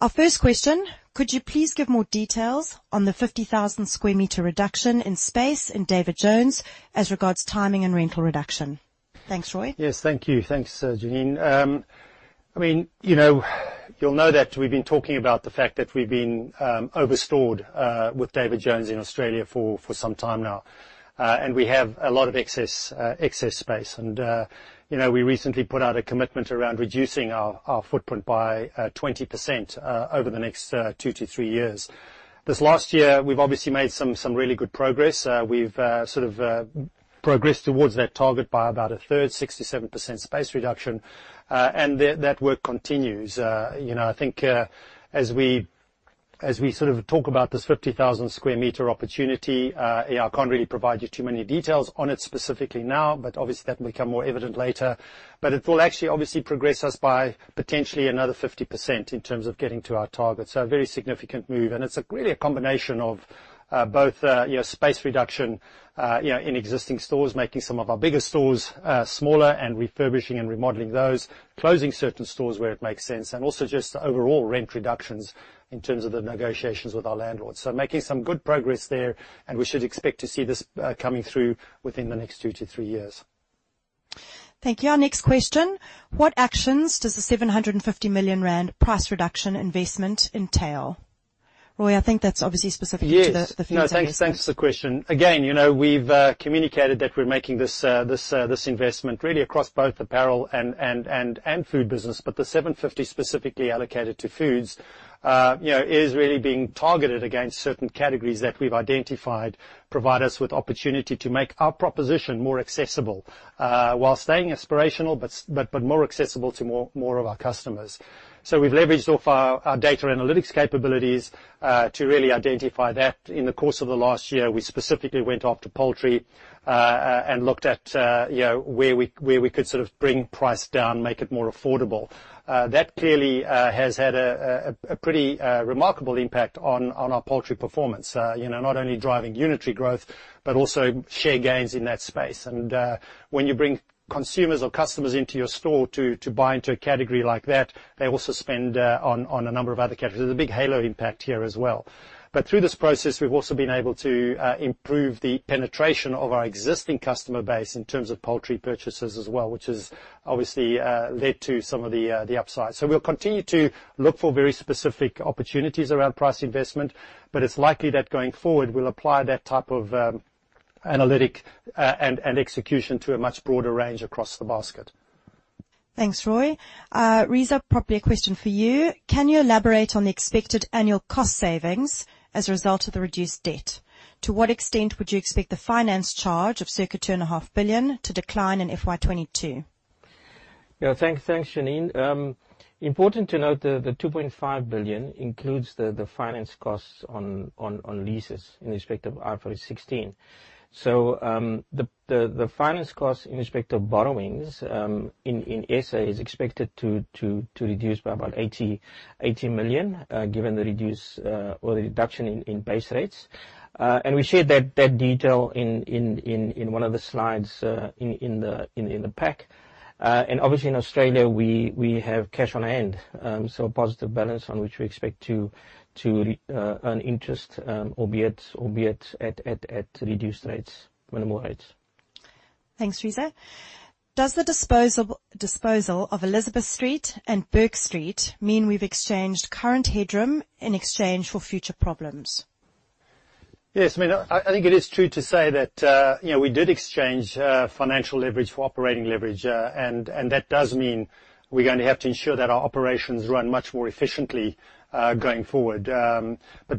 Our first question, could you please give more details on the 50,000 sq m reduction in space in David Jones as regards timing and rental reduction? Thanks, Roy. Yes, thank you. Thanks, Janine. I mean, you know, you'll know that we've been talking about the fact that we've been over-stored with David Jones in Australia for some time now. We have a lot of excess space. You know, we recently put out a commitment around reducing our footprint by 20% over the next two to three years. This last year, we've obviously made some really good progress. We've sort of progressed towards that target by about a third, 67% space reduction. That work continues. You know, I think, as we talk about this 50,000 sq m opportunity, I can't really provide you too many details on it specifically now, but obviously that will become more evident later. It will actually obviously progress us by potentially another 50% in terms of getting to our target. A very significant move. It's really a combination of both space reduction in existing stores, making some of our bigger stores smaller, and refurbishing and remodeling those, closing certain stores where it makes sense, and also just overall rent reductions in terms of the negotiations with our landlords. Making some good progress there, and we should expect to see this coming through within the next two to three years. Thank you. Our next question: what actions does the 750 million rand price reduction investment entail? Roy, I think that's obviously specific to the- Yes Food business. Thanks for the question. We've communicated that we're making this investment really across both apparel and Food business, but the 750 specifically allocated to Food is really being targeted against certain categories that we've identified provide us with opportunity to make our proposition more accessible, while staying aspirational, but more accessible to more of our customers. We've leveraged off our data analytics capabilities to really identify that. In the course of the last year, we specifically went after poultry and looked at where we could bring price down, make it more affordable. That clearly has had a pretty remarkable impact on our poultry performance. Not only driving unitary growth, but also share gains in that space. When you bring consumers or customers into your store to buy into a category like that, they also spend on a number of other categories. There's a big halo impact here as well. Through this process, we've also been able to improve the penetration of our existing customer base in terms of poultry purchases as well, which has obviously led to some of the upside. We'll continue to look for very specific opportunities around price investment, but it's likely that going forward, we'll apply that type of analytic and execution to a much broader range across the basket. Thanks, Roy. Reeza, probably a question for you. Can you elaborate on the expected annual cost savings as a result of the reduced debt? To what extent would you expect the finance charge of circa 2.5 billion to decline in FY 2022? Thanks, Janine. Important to note, the 2.5 billion includes the finance costs on leases in respect of IFRS 16. The finance cost in respect of borrowings in S.A. is expected to reduce by about 80 million, given the reduction in base rates. We shared that detail in one of the slides in the pack. Obviously, in Australia, we have cash on hand. A positive balance on which we expect to earn interest, albeit at reduced rates, minimal rates. Thanks, Reeza. Does the disposal of Elizabeth Street and Bourke Street mean we've exchanged current headroom in exchange for future problems? Yes, I think it is true to say that we did exchange financial leverage for operating leverage, and that does mean we're going to have to ensure that our operations run much more efficiently, going forward.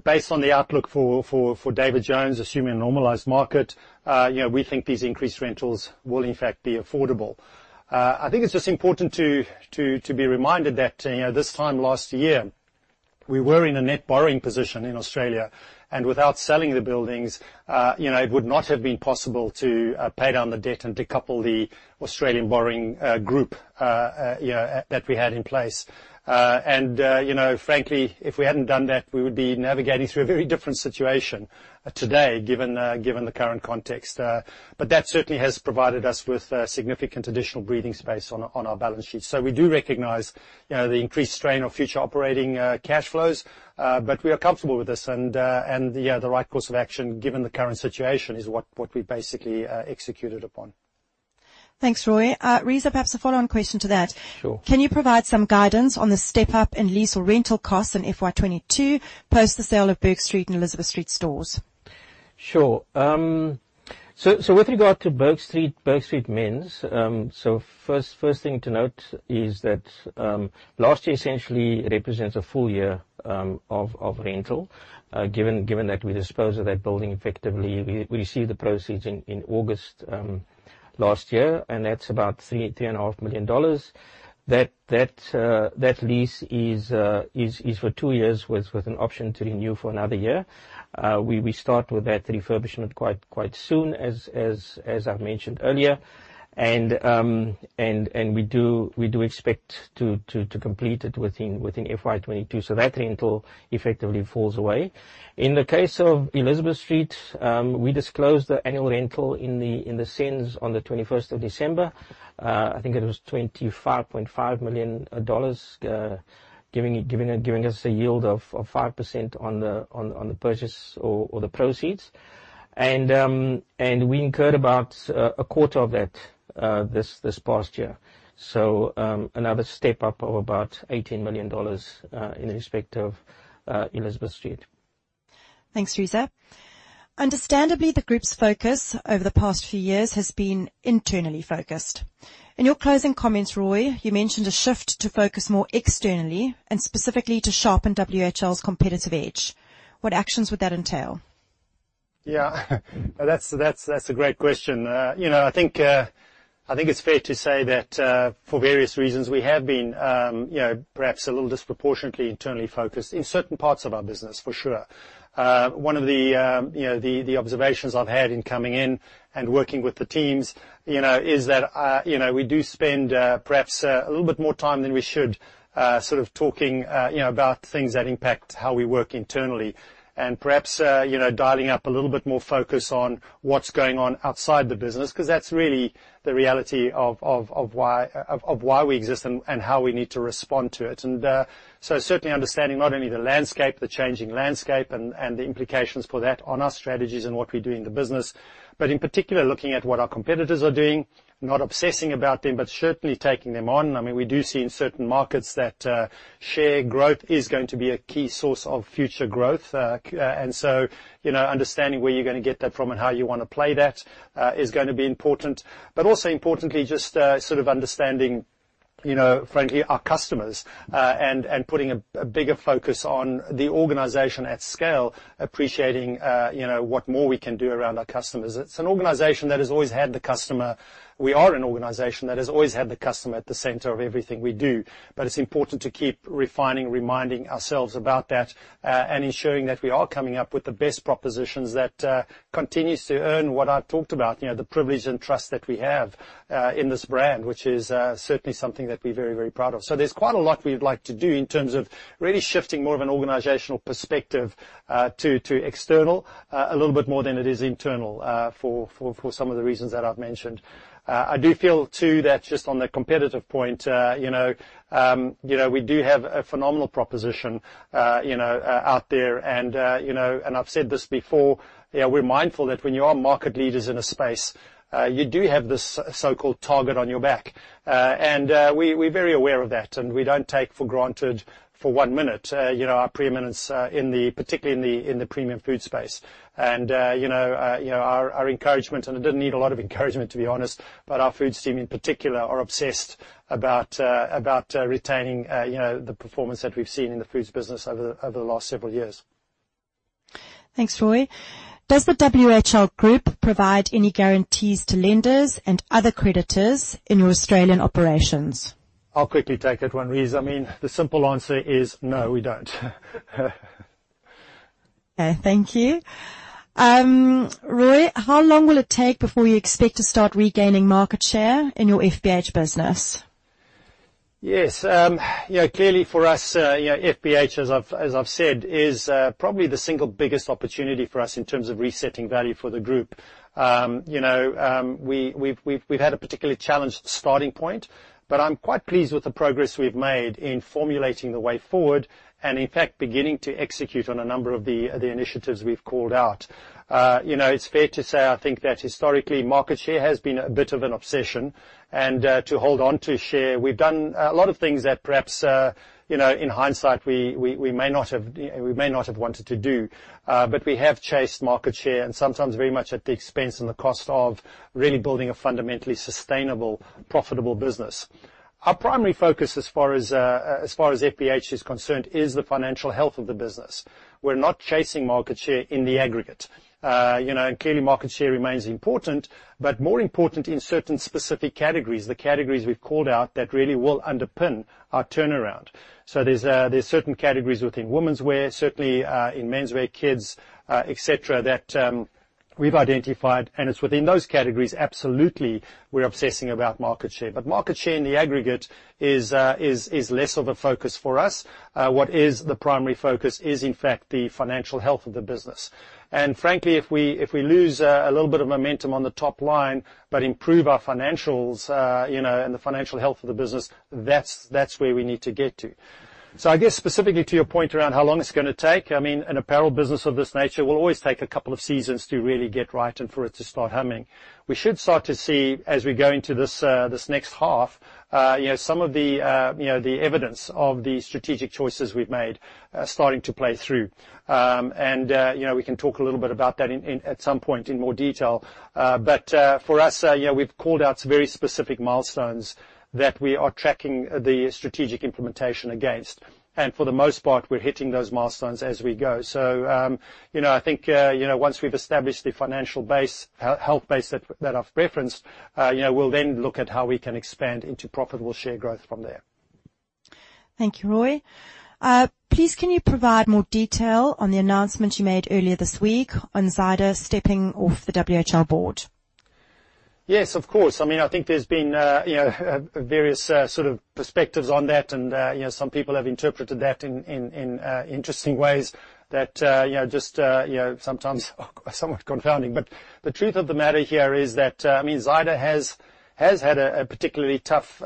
Based on the outlook for David Jones, assuming a normalized market, we think these increased rentals will in fact be affordable. I think it's just important to be reminded that this time last year, we were in a net borrowing position in Australia, and without selling the buildings it would not have been possible to pay down the debt and decouple the Australian borrowing group that we had in place. Frankly, if we hadn't done that, we would be navigating through a very different situation today, given the current context. That certainly has provided us with significant additional breathing space on our balance sheet. We do recognize the increased strain on future operating cash flows, but we are comfortable with this, and the right course of action, given the current situation, is what we basically executed upon. Thanks, Roy. Reeza, perhaps a follow-on question to that. Sure. Can you provide some guidance on the step-up in lease or rental costs in FY 2022 post the sale of Bourke Street and Elizabeth Street stores? Sure. With regard to Bourke Street Men's, first thing to note is that last year essentially represents a full year of rental, given that we disposed of that building effectively. We received the proceeds in August last year, and that's about 3.5 million dollars. That lease is for two years with an option to renew for another year. We start with that refurbishment quite soon, as I've mentioned earlier. We do expect to complete it within FY 2022. That rental effectively falls away. In the case of Elizabeth Street, we disclosed the annual rental in the SENS on the December 21st. I think it was 25.5 million dollars, giving us a yield of 5% on the purchase or the proceeds. We incurred about a quarter of that this past year. Another step-up of about 18 million dollars in respect of Elizabeth Street. Thanks, Reeza. Understandably, the group's focus over the past few years has been internally focused. In your closing comments, Roy, you mentioned a shift to focus more externally and specifically to sharpen WHL's competitive edge. What actions would that entail? Yeah. That's a great question. I think it's fair to say that, for various reasons, we have been perhaps a little disproportionately internally focused in certain parts of our business, for sure. One of the observations I've had in coming in and working with the teams is that we do spend perhaps a little bit more time than we should talking about things that impact how we work internally, and perhaps dialing up a little bit more focus on what's going on outside the business, because that's really the reality of why we exist and how we need to respond to it. Certainly understanding not only the changing landscape and the implications for that on our strategies and what we do in the business, but in particular, looking at what our competitors are doing, not obsessing about them, but certainly taking them on. We do see in certain markets that share growth is going to be a key source of future growth. Understanding where you're going to get that from and how you want to play that is going to be important. Also importantly, just sort of understanding, frankly, our customers, and putting a bigger focus on the organization at scale, appreciating what more we can do around our customers. We are an organization that has always had the customer at the center of everything we do. It's important to keep refining, reminding ourselves about that, and ensuring that we are coming up with the best propositions that continues to earn what I've talked about, the privilege and trust that we have in this brand, which is certainly something that we're very, very proud of. There's quite a lot we'd like to do in terms of really shifting more of an organizational perspective to external, a little bit more than it is internal, for some of the reasons that I've mentioned. I do feel, too, that just on the competitive point, we do have a phenomenal proposition out there. I've said this before, we're mindful that when you are market leaders in a space, you do have this so-called target on your back. We're very aware of that, and we don't take for granted for one minute our preeminence, particularly in the premium food space. Our encouragement, and it doesn't need a lot of encouragement, to be honest, but our foods team in particular are obsessed about retaining the performance that we've seen in the foods business over the last several years. Thanks, Roy. Does the WHL group provide any guarantees to lenders and other creditors in your Australian operations? I'll quickly take that one, Reeza. The simple answer is no, we don't. Okay, thank you. Roy, how long will it take before you expect to start regaining market share in your FBH business? Yes. Clearly for us, FBH, as I've said, is probably the single biggest opportunity for us in terms of resetting value for the group. We've had a particularly challenged starting point, but I'm quite pleased with the progress we've made in formulating the way forward, and in fact, beginning to execute on a number of the initiatives we've called out. It's fair to say, I think that historically, market share has been a bit of an obsession. To hold on to share, we've done a lot of things that perhaps, in hindsight, we may not have wanted to do. We have chased market share, and sometimes very much at the expense and the cost of really building a fundamentally sustainable, profitable business. Our primary focus as far as FBH is concerned is the financial health of the business. We're not chasing market share in the aggregate. Clearly, market share remains important, but more important in certain specific categories, the categories we've called out that really will underpin our turnaround. There's certain categories within womenswear, certainly in menswear, kids, et cetera, that we've identified, and it's within those categories, absolutely, we're obsessing about market share. Market share in the aggregate is less of a focus for us. What is the primary focus is, in fact, the financial health of the business. Frankly, if we lose a little bit of momentum on the top line, but improve our financials, and the financial health of the business, that's where we need to get to. I guess specifically to your point around how long it's going to take, an apparel business of this nature will always take a couple of seasons to really get right and for it to start humming. We should start to see, as we go into this next half, some of the evidence of the strategic choices we've made starting to play through. We can talk a little bit about that at some point in more detail. For us, we've called out some very specific milestones that we are tracking the strategic implementation against. For the most part, we're hitting those milestones as we go. I think once we've established the financial health base that I've referenced, we'll then look at how we can expand into profitable share growth from there. Thank you, Roy. Please, can you provide more detail on the announcement you made earlier this week on Zyda stepping off the WHL board? Yes, of course. I think there's been various sort of perspectives on that. Some people have interpreted that in interesting ways that are just sometimes somewhat confounding. The truth of the matter here is that, Zyda has had a particularly tough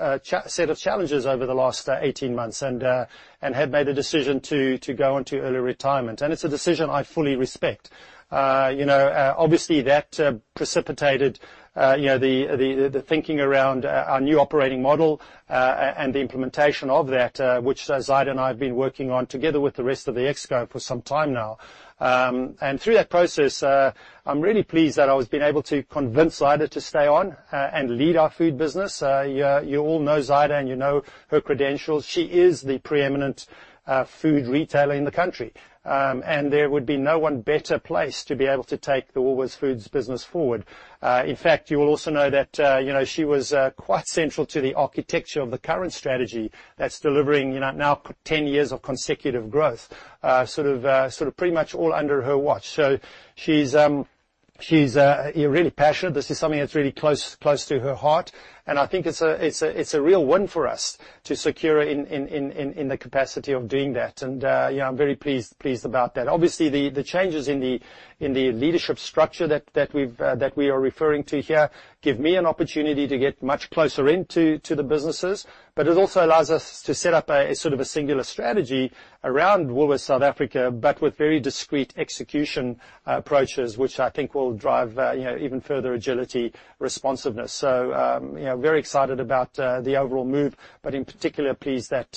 set of challenges over the last 18 months, had made the decision to go on to early retirement. It's a decision I fully respect. Obviously, that precipitated the thinking around our new operating model, and the implementation of that, which Zyda and I have been working on together with the rest of the ExCo for some time now. Through that process, I'm really pleased that I was able to convince Zyda to stay on and lead our Food business. You all know Zyda and you know her credentials. She is the preeminent food retailer in the country. There would be no one better placed to be able to take the Woolworths Food business forward. In fact, you will also know that she was quite central to the architecture of the current strategy that's delivering now 10 years of consecutive growth, sort of pretty much all under her watch. She's really passionate. This is something that's really close to her heart, and I think it's a real win for us to secure her in the capacity of doing that. I'm very pleased about that. Obviously, the changes in the leadership structure that we are referring to here give me an opportunity to get much closer into the businesses, but it also allows us to set up a singular strategy around Woolworths South Africa, but with very discreet execution approaches, which I think will drive even further agility responsiveness. Very excited about the overall move, but in particular, pleased that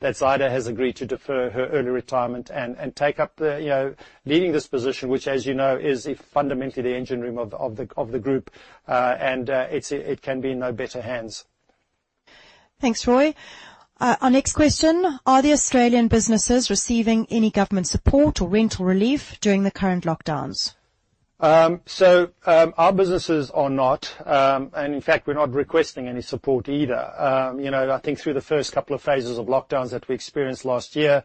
Zyda has agreed to defer her early retirement and take up leading this position, which as you know, is fundamentally the engine room of the group. It can be in no better hands. Thanks, Roy. Our next question, are the Australian businesses receiving any government support or rental relief during the current lockdowns? Our businesses are not. In fact, we're not requesting any support either. I think through the first couple of phases of lockdowns that we experienced last year,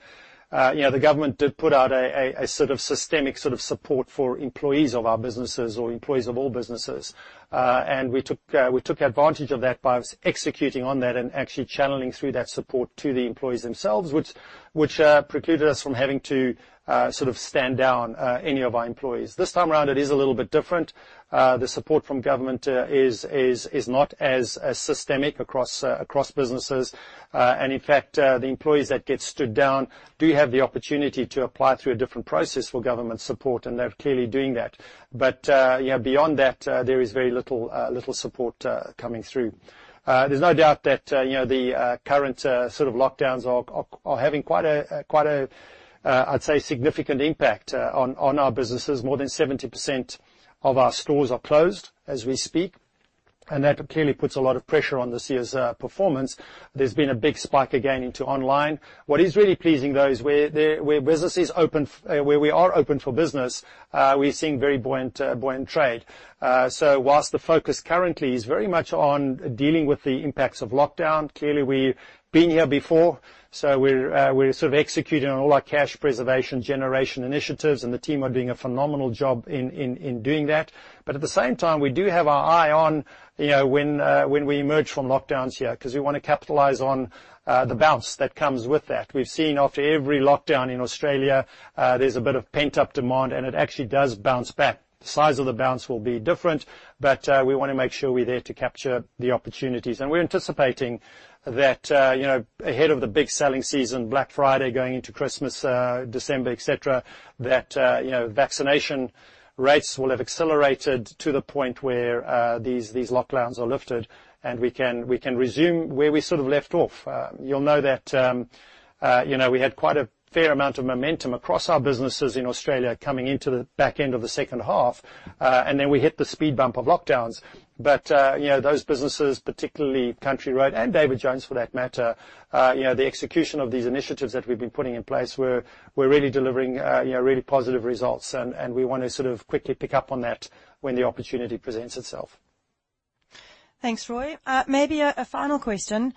the government did put out a systemic support for employees of our businesses or employees of all businesses. We took advantage of that by executing on that and actually channeling through that support to the employees themselves, which precluded us from having to stand down any of our employees. This time around, it is a little bit different. The support from government is not as systemic across businesses. In fact, the employees that get stood down do have the opportunity to apply through a different process for government support, and they're clearly doing that. Beyond that, there is very little support coming through. There's no doubt that the current lockdowns are having quite a, I'd say, significant impact on our businesses. More than 70% of our stores are closed as we speak. That clearly puts a lot of pressure on this year's performance. There's been a big spike again into online. What is really pleasing, though, is where we are open for business, we're seeing very buoyant trade. Whilst the focus currently is very much on dealing with the impacts of lockdown, clearly we've been here before. We're executing on all our cash preservation generation initiatives. The team are doing a phenomenal job in doing that. At the same time, we do have our eye on when we emerge from lockdowns here, because we want to capitalize on the bounce that comes with that. We've seen after every lockdown in Australia, there's a bit of pent-up demand, and it actually does bounce back. The size of the bounce will be different, but we want to make sure we're there to capture the opportunities. We're anticipating that ahead of the big selling season, Black Friday, going into Christmas, December, et cetera, that vaccination rates will have accelerated to the point where these lockdowns are lifted, and we can resume where we left off. You'll know that we had quite a fair amount of momentum across our businesses in Australia coming into the back end of the second half, and then we hit the speed bump of lockdowns. Those businesses, particularly Country Road and David Jones for that matter, the execution of these initiatives that we've been putting in place, we're really delivering positive results. We want to quickly pick up on that when the opportunity presents itself. Thanks, Roy. Maybe a final question.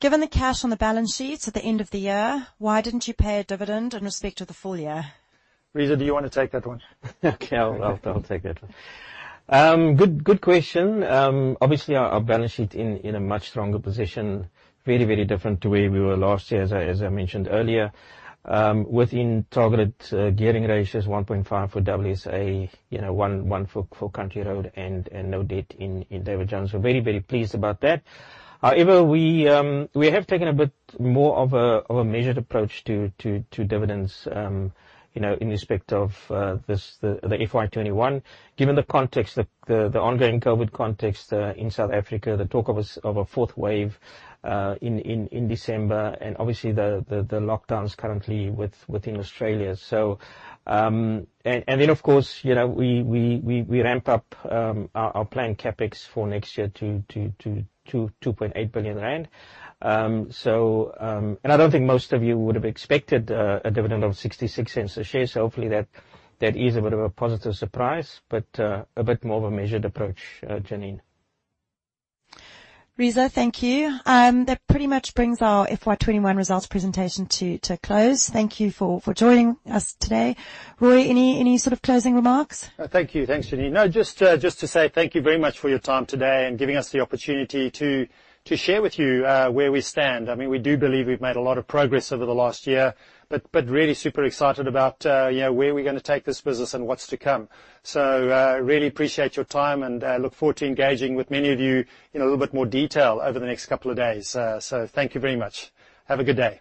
Given the cash on the balance sheets at the end of the year, why didn't you pay a dividend in respect of the full year? Reeza, do you want to take that one? Okay. I'll take that one. Good question. Obviously, our balance sheet in a much stronger position, very different to where we were last year, as I mentioned earlier. Within targeted gearing ratios 1.5 for WSA, one for Country Road and no debt in David Jones. We are very pleased about that. However, we have taken a bit more of a measured approach to dividends in respect of the FY 2021. Given the context, the ongoing COVID context in South Africa, the talk of a fourth wave in December, and obviously the lockdowns currently within Australia. Of course, we ramp up our planned CapEx for next year to 2.8 billion rand. I don't think most of you would have expected a dividend of 0.66 a share, hopefully that is a bit of a positive surprise, a bit more of a measured approach, Janine. Reeza, thank you. That pretty much brings our FY 2021 results presentation to a close. Thank you for joining us today. Roy, any closing remarks? Thank you. Thanks, Janine. No, just to say thank you very much for your time today and giving us the opportunity to share with you where we stand. We do believe we've made a lot of progress over the last year, but really super excited about where we're going to take this business and what's to come. Really appreciate your time, and I look forward to engaging with many of you in a little bit more detail over the next couple of days. Thank you very much. Have a good day.